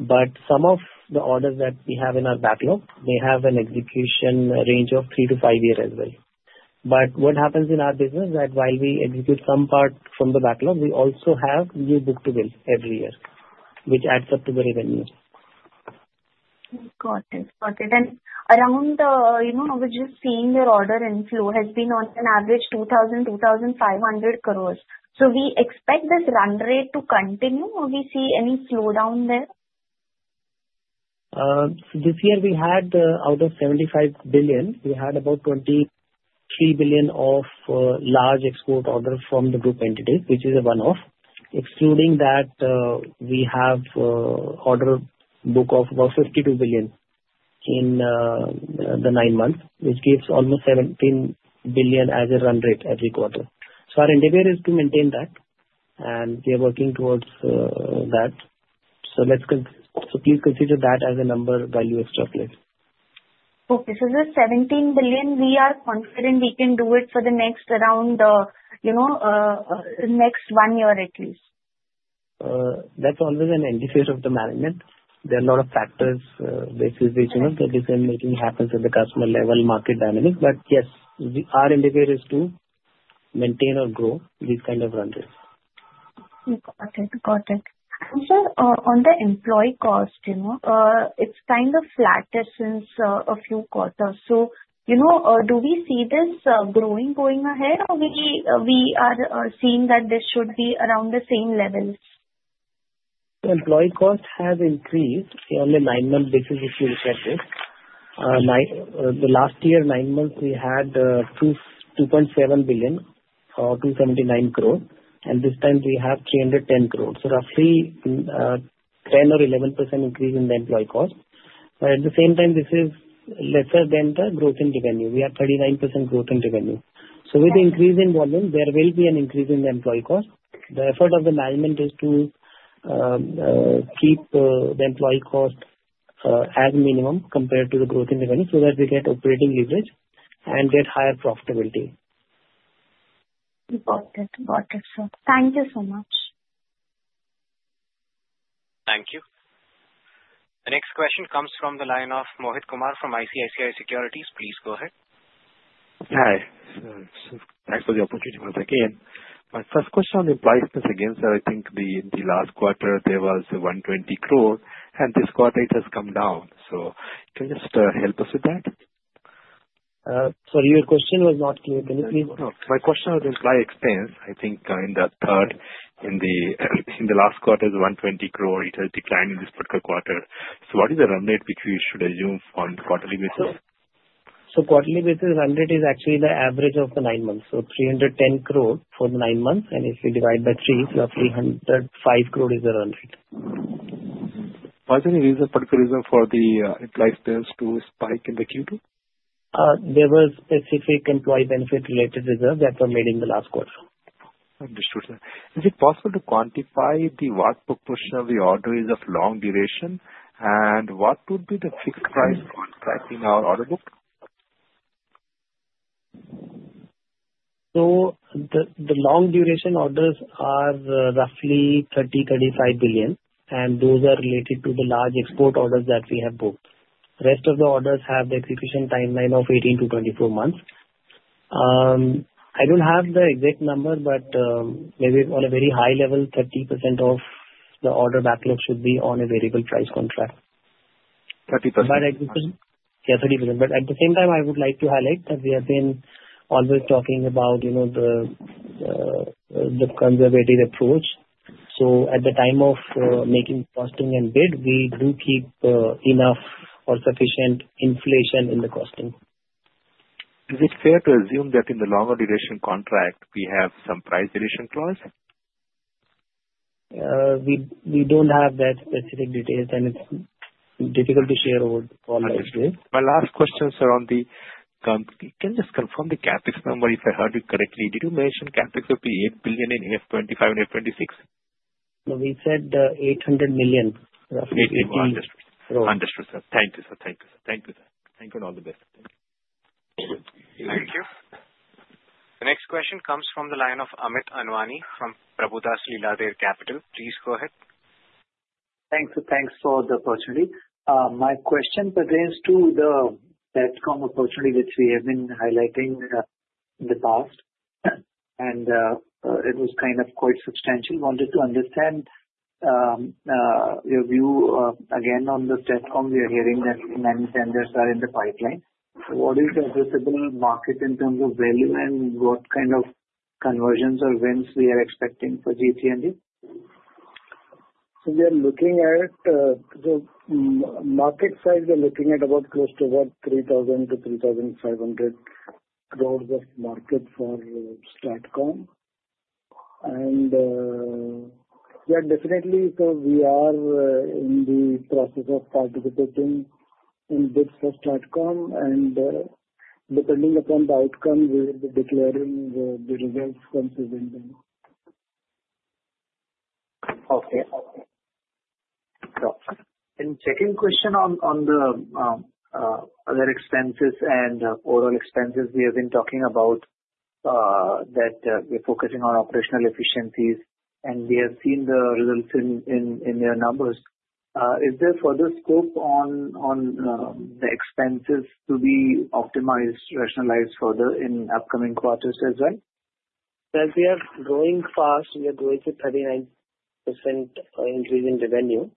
But some of the orders that we have in our backlog, they have an execution range of 3-5 years as well. But what happens in our business is that while we execute some part from the backlog, we also have new book-to-bill every year, which adds up to the revenue. Got it. Got it. And around there, we're just seeing your order inflow has been on an average 2,000-2,500 crore. So, we expect this run rate to continue or we see any slowdown there? This year, we had out of 75 billion, we had about 23 billion of large export orders from the group entities, which is a one-off. Excluding that, we have order book of about 52 billion in the nine months, which gives almost 17 billion as a run rate every quarter. So, our endeavor is to maintain that. And we are working towards that. So, please consider that as a number while you extrapolate. Okay. So, this 17 billion, we are confident we can do it for the next around one year at least? That's always an indicator of the management. There are a lot of factors basically that decision-making happens at the customer level, market dynamics. But yes, our endeavor is to maintain or grow these kind of run rates. Got it. Got it. And sir, on the employee cost, it's kind of flattish since a few quarters. So, do we see this growing going ahead or we are seeing that this should be around the same levels? Employee cost has increased on the nine-month basis if you look at this. The last year, nine months, we had 2.7 billion or 279 crore. And this time, we have 310 crore. So, roughly 10% or 11% increase in the employee cost. But at the same time, this is lesser than the growth in revenue. We have 39% growth in revenue. So, with the increase in volume, there will be an increase in the employee cost. The effort of the management is to keep the employee cost as minimum compared to the growth in revenue so that we get operating leverage and get higher profitability. Got it. Got it, sir. Thank you so much. Thank you. The next question comes from the line of Mohit Kumar from ICICI Securities. Please go ahead. Hi. Thanks for the opportunity once again. My first question on the employee expense again, I think the last quarter, there was 120 crore, and this quarter, it has come down. So, can you just help us with that? Sorry, your question was not clear. Can you please? My question on employee expense, I think in the last quarter, it was 120 crore. It has declined in this particular quarter. So, what is the run rate which we should assume on quarterly basis? So, quarterly basis, the run rate is actually the average of the nine months. So, 310 crore for the nine months. And if we divide by three, roughly 105 crore is the run rate. Was there any reason, particular reason for the employee expense to spike in the Q2? There were specific employee benefit-related reserves that were made in the last quarter. Understood, sir. Is it possible to quantify what proportion of the order is of long duration? And what would be the fixed price contract in our order book? The long-duration orders are roughly 30 bilion-INR 35 billion. Those are related to the large export orders that we have booked. The rest of the orders have the execution timeline of 18-24 months. I don't have the exact number, but maybe on a very high level, 30% of the order backlog should be on a variable price contract. 30%? Yeah, 30%. But at the same time, I would like to highlight that we have been always talking about the conservative approach. So, at the time of making costing and bid, we do keep enough or sufficient inflation in the costing. Is it fair to assume that in the longer duration contract, we have some price duration clause? We don't have that specific details, and it's difficult to share all those details. My last question, sir, on the can you just confirm the CapEx number if I heard you correctly? Did you mention CapEx would be 8 billion in F25 and F26? No, we said 800 million, roughly 80 crore. Understood, sir. Thank you, sir. Thank you. Thank you, and all the best. Thank you. The next question comes from the line of Amit Anwani from Prabhudas Lilladher Capital. Please go ahead. Thank you. Thanks for the opportunity. My question pertains to the platform opportunity which we have been highlighting in the past. And it was kind of quite substantial. Wanted to understand your view again on the platform. We are hearing that many tenders are in the pipeline. What is the visible market in terms of value and what kind of conversions or wins we are expecting for GE T&D? So we are looking at the market size. We are looking at about close to about 3,000-3,500 crore of market for STATCOM. And yeah, definitely, so we are in the process of participating in bids for STATCOM. And depending upon the outcome, we will be declaring the results from presenting. Okay. Okay. Got it. And second question on the other expenses and overall expenses. We have been talking about that we're focusing on operational efficiencies. And we have seen the results in their numbers. Is there further scope on the expenses to be optimized, rationalized further in upcoming quarters as well? As we are growing fast, we are growing to 39% increase in revenue.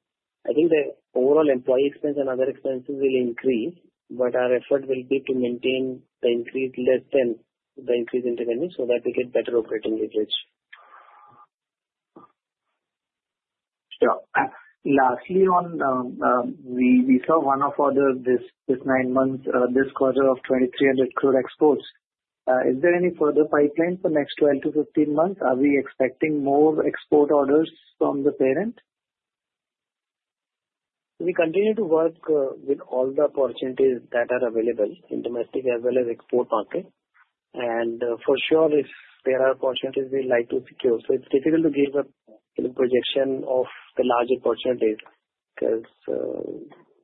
I think the overall employee expense and other expenses will increase, but our effort will be to maintain the increase less than the increase in revenue so that we get better operating leverage. Yeah. Lastly, we saw one of our this nine months, this quarter of 2,300 crore exports. Is there any further pipeline for the next 12-15 months? Are we expecting more export orders from the parent? We continue to work with all the opportunities that are available in domestic as well as export market. And for sure, if there are opportunities, we'd like to secure. So it's difficult to give a projection of the larger opportunities because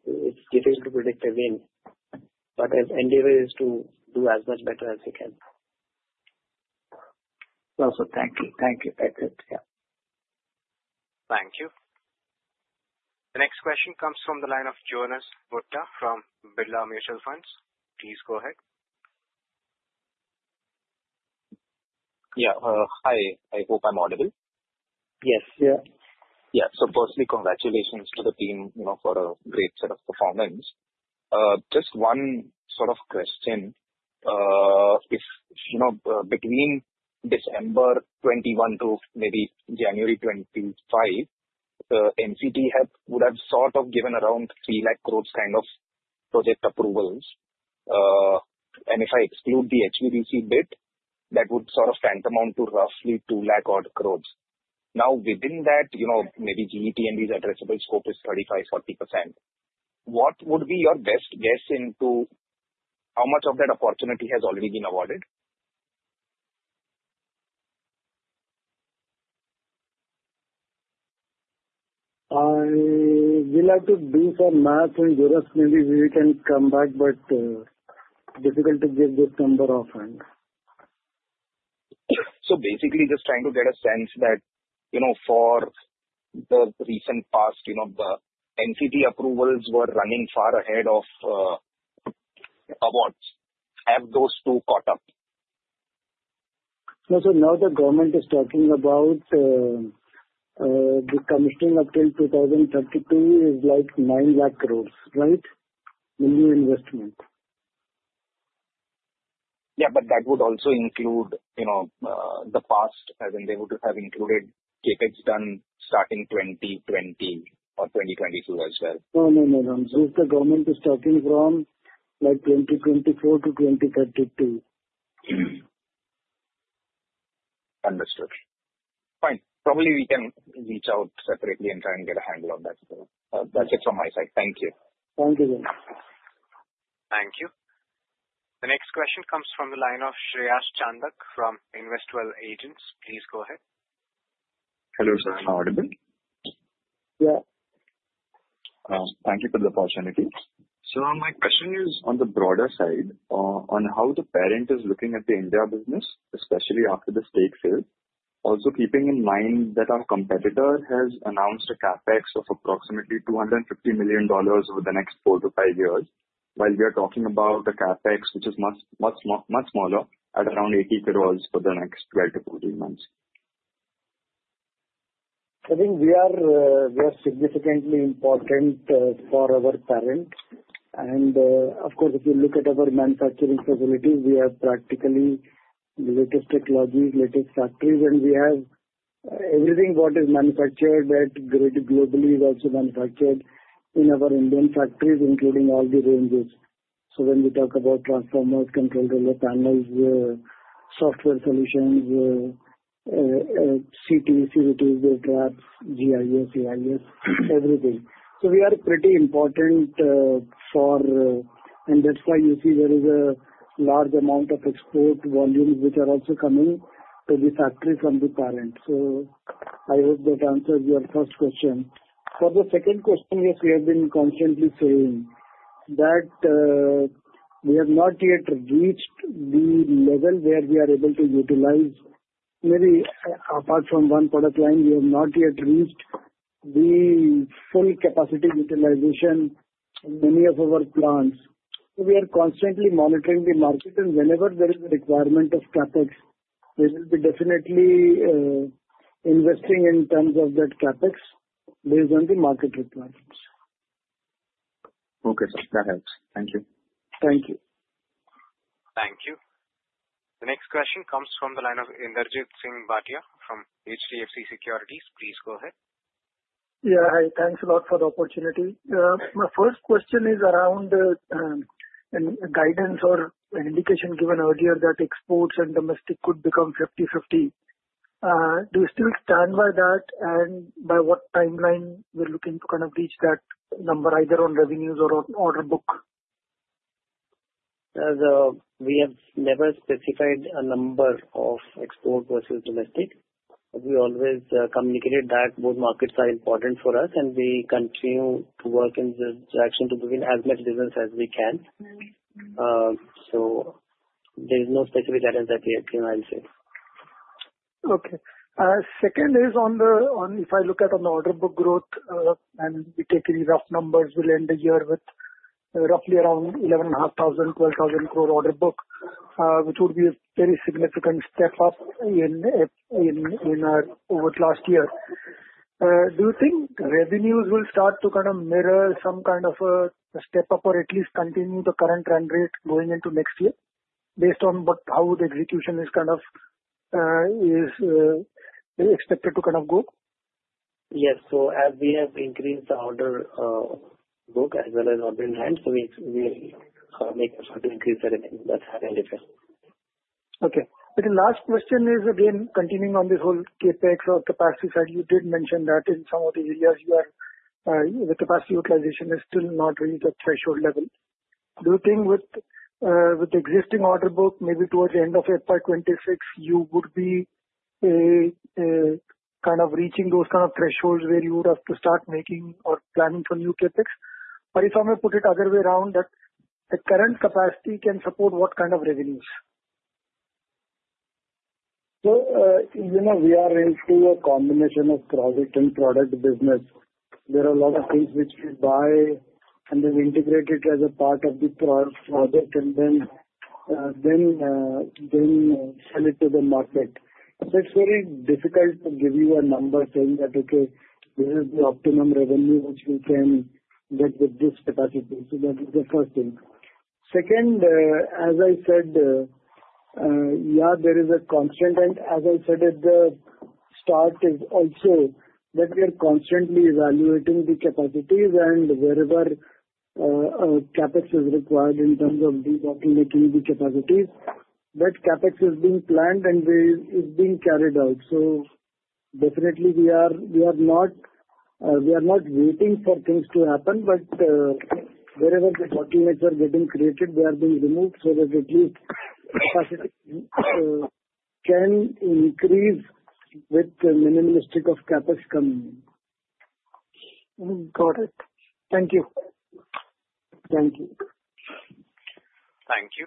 it's difficult to predict a win. But our endeavor is to do as much better as we can. Awesome. Thank you. Thank you. That's it. Yeah. Thank you. The next question comes from the line of Jonas Bhutta from Birla Mutual Funds. Please go ahead. Yeah. Hi. I hope I'm audible. Yes. Yeah. Yeah. So firstly, congratulations to the team for a great set of performance. Just one sort of question. Between December 21 to maybe January 25, NCT would have sort of given around 3 lakh crore kind of project approvals. And if I exclude the HVDC bid, that would sort of tantamount to roughly 2 lakh-odd crore. Now, within that, maybe GE T&D's addressable scope is 35%-40%. What would be your best guess into how much of that opportunity has already been awarded? I would like to do some math and Jonas, maybe we can come back, but difficult to give this number offhand. Basically, just trying to get a sense that for the recent past, the NCT approvals were running far ahead of awards. Have those two caught up? No, so. Now the government is talking about the commissioning up till 2032 is like 9 lakh crore, right? New investments. Yeah. But that would also include the past, as in they would have included CapEx done starting 2020 or 2022 as well. No, no, no, no, so if the government is talking from like 2024-2032. Understood. Fine. Probably we can reach out separately and try and get a handle on that. That's it from my side. Thank you. Thank you, Jonas. Thank you. The next question comes from the line of Shreyas Chandak from Investwell Agents. Please go ahead. Hello, sir. Am I audible? Yeah. Thank you for the opportunity. So my question is on the broader side on how the parent is looking at the India business, especially after the stake sale. Also keeping in mind that our competitor has announced a CapEx of approximately $250 million over the next 4-5 years, while we are talking about a CapEx which is much smaller at around 80 crore for the next 12-14 months. I think we are significantly important for our parent. Of course, if you look at our manufacturing facilities, we have practically the latest technologies, latest factories. We have everything what is manufactured at Grid globally is also manufactured in our Indian factories, including all the ranges. When we talk about transformers, control relay panels, software solutions, CT, CVT, wave traps, GIS, AIS, everything. We are pretty important for, and that's why you see there is a large amount of export volumes which are also coming to the factory from the parent. I hope that answers your first question. For the second question, yes, we have been constantly saying that we have not yet reached the level where we are able to utilize maybe apart from one product line, we have not yet reached the full capacity utilization in many of our plants. We are constantly monitoring the market. Whenever there is a requirement of CapEx, we will be definitely investing in terms of that CapEx based on the market requirements. Okay, sir. That helps. Thank you. Thank you. Thank you. The next question comes from the line of Inderjeet Singh Bhatia from HDFC Securities. Please go ahead. Yeah. Hi. Thanks a lot for the opportunity. My first question is around guidance or indication given earlier that exports and domestic could become 50/50. Do you still stand by that? And by what timeline we're looking to kind of reach that number either on revenues or on order book? We have never specified a number of export versus domestic. We always communicated that both markets are important for us, and we continue to work in the direction to doing as much business as we can. So there is no specific guidance that we have given, I'll say. Okay. Second is, if I look at the order book growth, and we take any rough numbers, we'll end the year with roughly around 11,500 crore-12,000 crore order book, which would be a very significant step up in our over the last year. Do you think revenues will start to kind of mirror some kind of a step up or at least continue the current trend rate going into next year based on how the execution is kind of expected to kind of go? Yes. So as we have increased the order book as well as order in hand, so we'll make effort to increase the revenue. That's certainly possible. Okay. But the last question is, again, continuing on this whole CapEx or capacity side, you did mention that in some of these years, the capacity utilization is still not reached at threshold level. Do you think with the existing order book, maybe towards the end of FY 2026, you would be kind of reaching those kind of thresholds where you would have to start making or planning for new CapEx? Or if I may put it other way around, that the current capacity can support what kind of revenues? Well, we are into a combination of project and product business. There are a lot of things which we buy, and we've integrated as a part of the product and then sell it to the market. So it's very difficult to give you a number saying that, okay, this is the optimum revenue which we can get with this capacity. So that is the first thing. Second, as I said, yeah, there is a constraint. And as I said, the strategy is also that we are constantly evaluating the capacities and wherever CapEx is required in terms of debottlenecking the capacities. That CapEx is being planned and is being carried out. Definitely, we are not waiting for things to happen, but wherever the bottlenecks are getting created, they are being removed so that at least capacity can increase with minimalistic of CapEx coming. Got it. Thank you. Thank you. Thank you.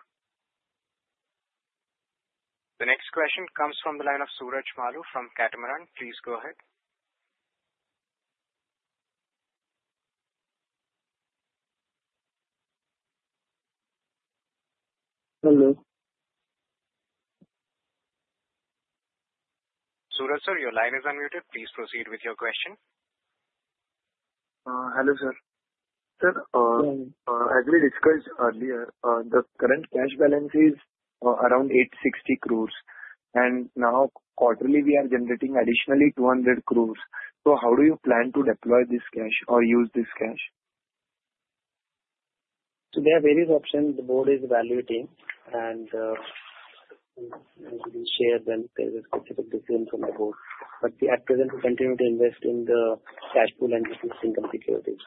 The next question comes from the line of Suraj Malu from Catamaran. Please go ahead. Hello. Suraj sir, your line is unmuted. Please proceed with your question. Hello, sir. Sir, as we discussed earlier, the current cash balance is around 860 crore. And now, quarterly, we are generating additionally 200 crore. So how do you plan to deploy this cash or use this cash? So there are various options. The board is evaluating, and we will share them with specific decisions from the board. But at present, we continue to invest in the cash pool and existing income securities.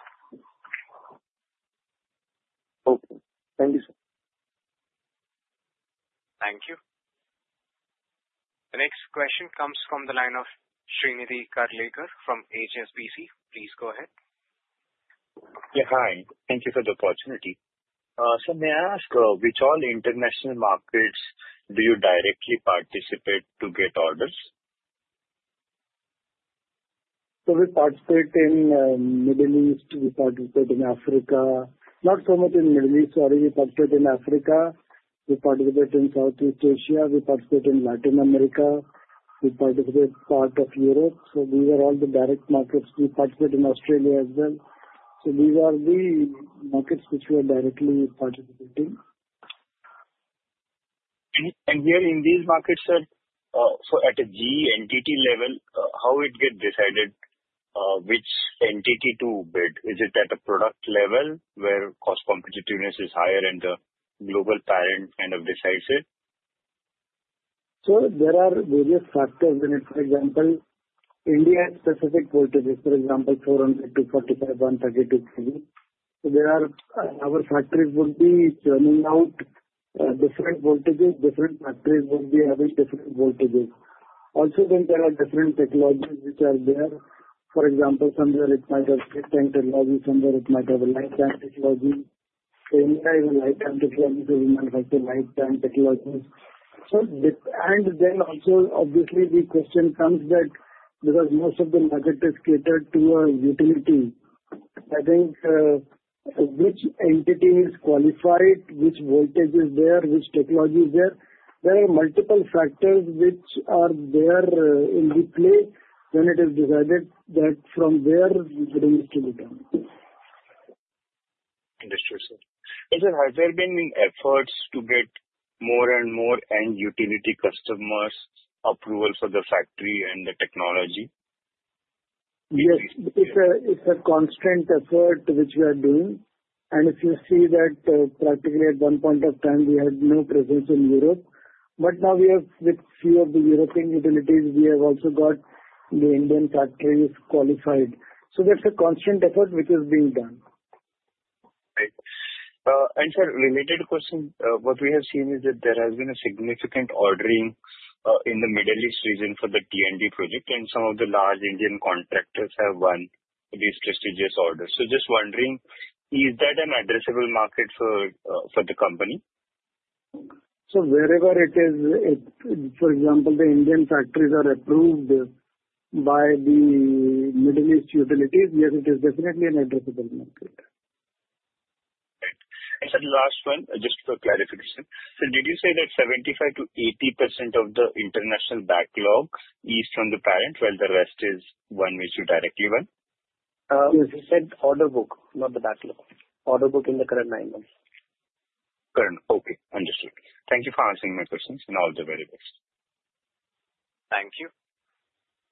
Okay. Thank you, sir. Thank you. The next question comes from the line of Shrinidhi Karlekar from HSBC. Please go ahead. Yeah. Hi. Thank you for the opportunity. So may I ask, which all international markets do you directly participate to get orders? So we participate in the Middle East. We participate in Africa. Not so much in the Middle East. We participate in Africa. We participate in Southeast Asia. We participate in Latin America. We participate in part of Europe. So these are all the direct markets. We participate in Australia as well. So these are the markets which we are directly participating in. Here in these markets, sir, so at a GE entity level, how would it get decided which entity to bid? Is it at a product level where cost competitiveness is higher and the global parent kind of decides it? There are various factors in it. For example, India-specific voltages, for example, 400 kV-45 kV, 130 kV-3 kV. Our factories would be churning out different voltages. Different factories would be having different voltages. Also, then there are different technologies which are there. For example, somewhere it might have dead-tank technology. Somewhere it might have a live-tank technology. In India, we have live-tank technology. We manufacture live-tank technologies. And then also, obviously, the question comes that because most of the market is catered to a utility, I think which entity is qualified, which voltage is there, which technology is there. There are multiple factors which are there at play when it is decided that from where we bring this to the parent. Understood, sir. And sir, have there been efforts to get more and more end-utility customers' approval for the factory and the technology? Yes. It's a constant effort which we are doing. And if you see that practically at one point of time, we had no presence in Europe. But now, with a few of the European utilities, we have also got the Indian factories qualified. So that's a constant effort which is being done. Right. And, sir, related question, what we have seen is that there has been a significant ordering in the Middle East region for the T&D project, and some of the large Indian contractors have won these prestigious orders. So just wondering, is that an addressable market for the company? So wherever it is, for example, the Indian factories are approved by the Middle East utilities, yes, it is definitely an addressable market. Right. And sir, last one, just for clarification. So did you say that 75%-80% of the international backlog is from the parent while the rest is one which you directly won? Yes. We said order book, not the backlog. Order book in the current nine months. Correct. Okay. Understood. Thank you for answering my questions, and all the very best. Thank you.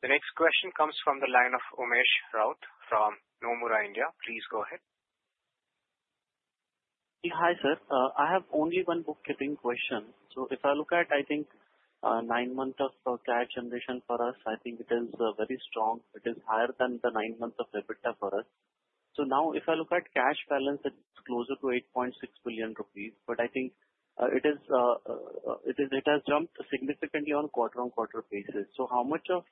The next question comes from the line of Umesh Raut from Nomura India. Please go ahead. Hi, sir. I have only one bookkeeping question. So if I look at, I think, nine months of cash generation for us, I think it is very strong. It is higher than the nine months of EBITDA for us. So now, if I look at cash balance, it's closer to 8.6 billion rupees. But I think it has jumped significantly on quarter-on-quarter basis. So how much of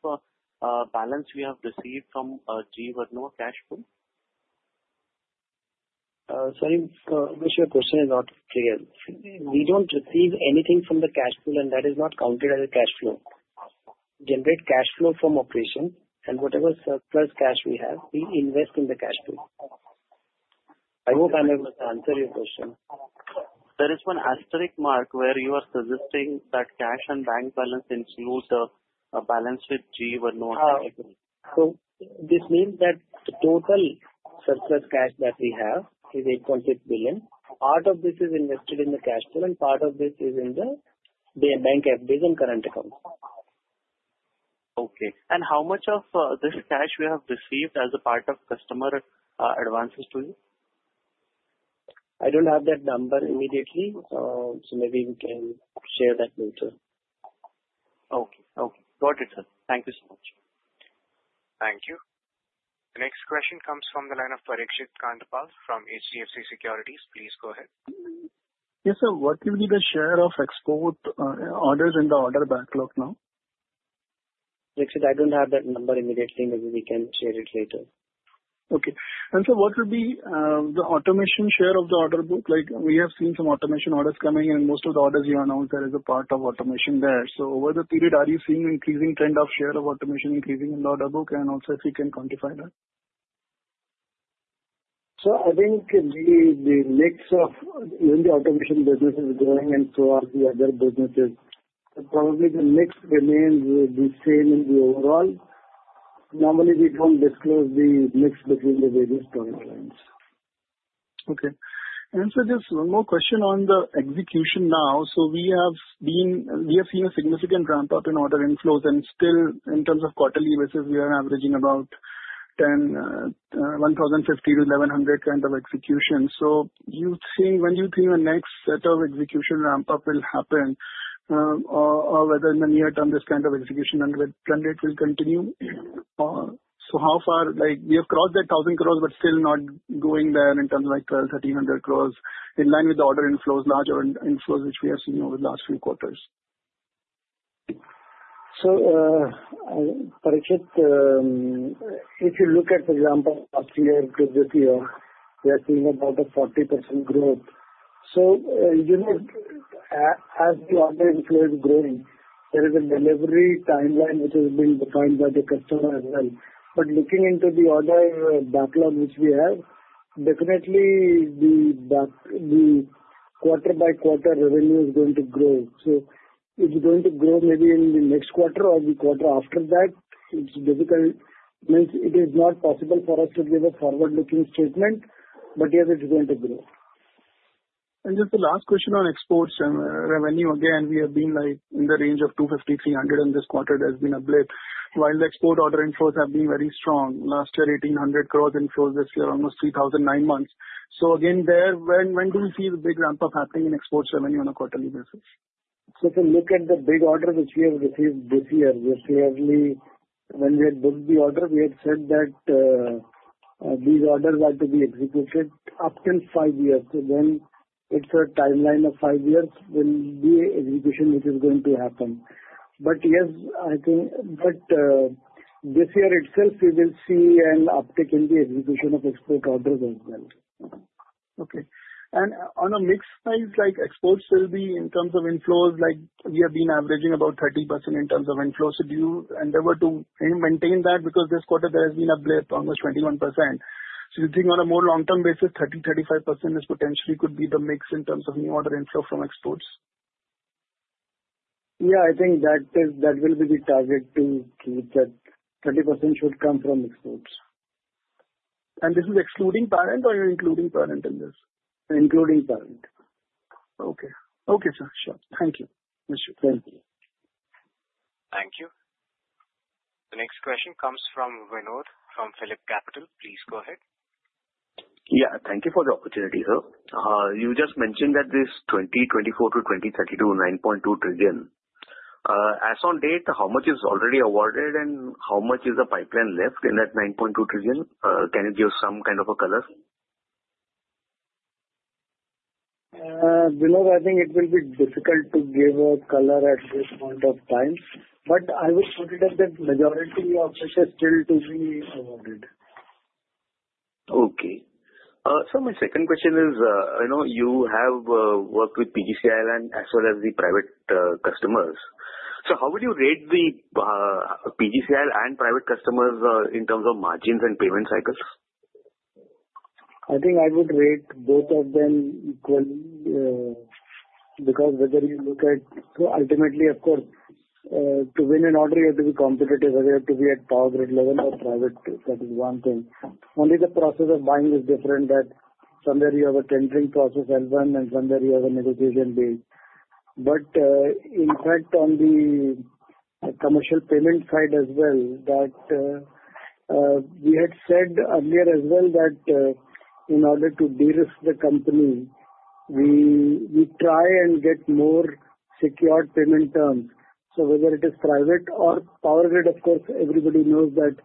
a balance we have received from GE Vernova cash pool? Sorry, Umesh, your question is not clear. We don't receive anything from the cash pool, and that is not counted as a cash flow. Generate cash flow from operations, and whatever surplus cash we have, we invest in the cash pool. I hope I'm able to answer your question. There is one asterisk mark where you are suggesting that cash and bank balance includes a balance with GE Vernova cash pool. This means that the total surplus cash that we have is 8.6 billion. Part of this is invested in the cash pool, and part of this is in the bank FDs and current accounts. Okay. And how much of this cash we have received as a part of customer advances to you? I don't have that number immediately, so maybe we can share that later. Okay. Okay. Got it, sir. Thank you so much. Thank you. The next question comes from the line of Parikshit Kandapal from HDFC Securities. Please go ahead. Yes, sir. What will be the share of export orders in the order backlog now? Parikshit, I don't have that number immediately. Maybe we can share it later. Okay. And sir, what will be the automation share of the order book? We have seen some automation orders coming, and most of the orders you announced there is a part of automation there. So over the period, are you seeing an increasing trend of share of automation increasing in the order book? And also, if you can quantify that. So I think the mix of the automation business is growing and so are the other businesses. But probably the mix remains the same in the overall. Normally, we don't disclose the mix between the various product lines. Okay. And sir, just one more question on the execution now. So we have seen a significant ramp-up in order inflows. And still, in terms of quarterly basis, we are averaging about 1,050-1,100 kind of executions. So when do you think the next set of execution ramp-up will happen, or whether in the near term this kind of execution and with trend rate will continue? So how far we have crossed that 1,000 crore but still not going there in terms of like 1,200-1,300 crore in line with the order inflows, large order inflows which we have seen over the last few quarters. Parikshit, if you look at the ramp-up from last year to this year, we have seen about a 40% growth. As the order inflow is growing, there is a delivery timeline which is being defined by the customer as well. But looking into the order backlog which we have, definitely the quarter-by-quarter revenue is going to grow. It's going to grow maybe in the next quarter or the quarter after that. It's difficult. It is not possible for us to give a forward-looking statement, but yes, it's going to grow. And just the last question on exports and revenue. Again, we have been in the range of 250 crore-300 crore in this quarter. There's been a blip while the export order inflows have been very strong. Last year, 1,800 crore inflows. This year, almost 3,000 crore in nine months. So again, when do we see the big ramp-up happening in exports revenue on a quarterly basis? So if you look at the big orders which we have received this year, when we had booked the order, we had said that these orders had to be executed up to five years. So then it's a timeline of five years when the execution which is going to happen. But yes, I think this year itself, we will see an uptick in the execution of export orders as well. Okay. And on a mix side, exports will be in terms of inflows, we have been averaging about 30% in terms of inflows. So do you endeavor to maintain that? Because this quarter, there has been a blip, almost 21%. So do you think on a more long-term basis, 30%-35% potentially could be the mix in terms of new order inflow from exports? Yeah. I think that will be the target to keep that. 30% should come from exports. This is excluding parent or you're including parent in this? Including parent. Okay. Okay, sir. Sure. Thank you, Parikshit, Thank you. Thank you. The next question comes from Vinod from PhillipCapital. Please go ahead. Yeah. Thank you for the opportunity, sir. You just mentioned that this 2024-2032, 9.2 trillion. As on date, how much is already awarded and how much is the pipeline left in that 9.2 trillion? Can you give some kind of a color? Vinod, I think it will be difficult to give a color at this point of time, but I would consider that majority of it is still to be awarded. Okay. So my second question is, you have worked with PGCIL and as well as the private customers. So how would you rate the PGCIL and private customers in terms of margins and payment cycles? I think I would rate both of them equally because whether you look at so ultimately, of course, to win an order, you have to be competitive. Whether you have to be at Power Grid level or private, that is one thing. Only the process of buying is different that somewhere you have a tendering process as well and somewhere you have a negotiation base. But in fact, on the commercial payment side as well, we had said earlier as well that in order to de-risk the company, we try and get more secured payment terms. So whether it is private or Power Grid, of course, everybody knows that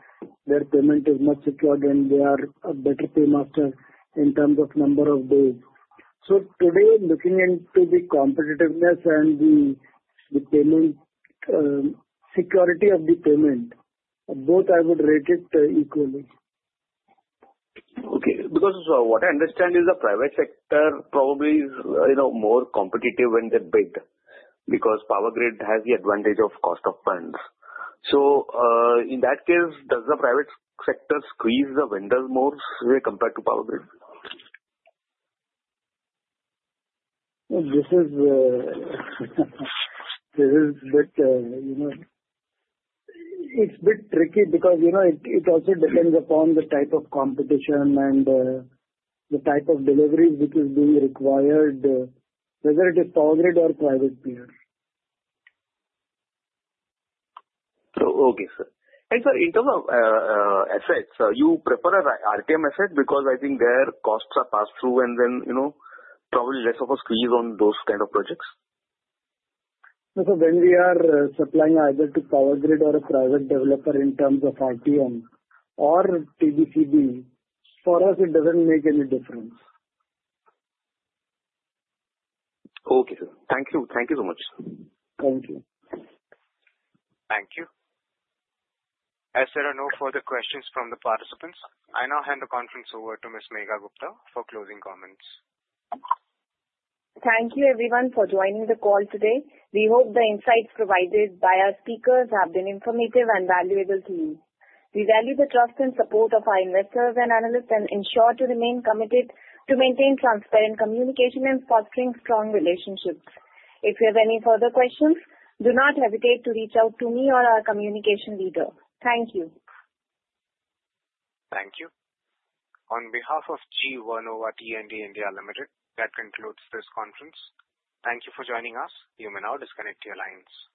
their payment is much secured and they are a better paymaster in terms of number of days. So today, looking into the competitiveness and the security of the payment, both I would rate it equally. Okay. Because what I understand is the private sector probably is more competitive when they bid because Power Grid has the advantage of cost of funds. So in that case, does the private sector squeeze the vendors more compared to Power Grid? This is a bit tricky because it also depends upon the type of competition and the type of deliveries which is being required, whether it is Power Grid or private player. Okay, sir, and sir, in terms of assets, you prefer RTM asset because I think their costs are passed through and then probably less of a squeeze on those kind of projects? So when we are supplying either to Power Grid or a private developer in terms of RTM or TBCB, for us, it doesn't make any difference. Okay, sir. Thank you. Thank you so much. Thank you. Thank you. As there are no further questions from the participants, I now hand the conference over to Ms. Megha Gupta for closing comments. Thank you, everyone, for joining the call today. We hope the insights provided by our speakers have been informative and valuable to you. We value the trust and support of our investors and analysts and ensure to remain committed to maintain transparent communication and fostering strong relationships. If you have any further questions, do not hesitate to reach out to me or our communication leader. Thank you. Thank you. On behalf of GE Vernova T&D India Limited, that concludes this conference. Thank you for joining us. You may now disconnect your lines.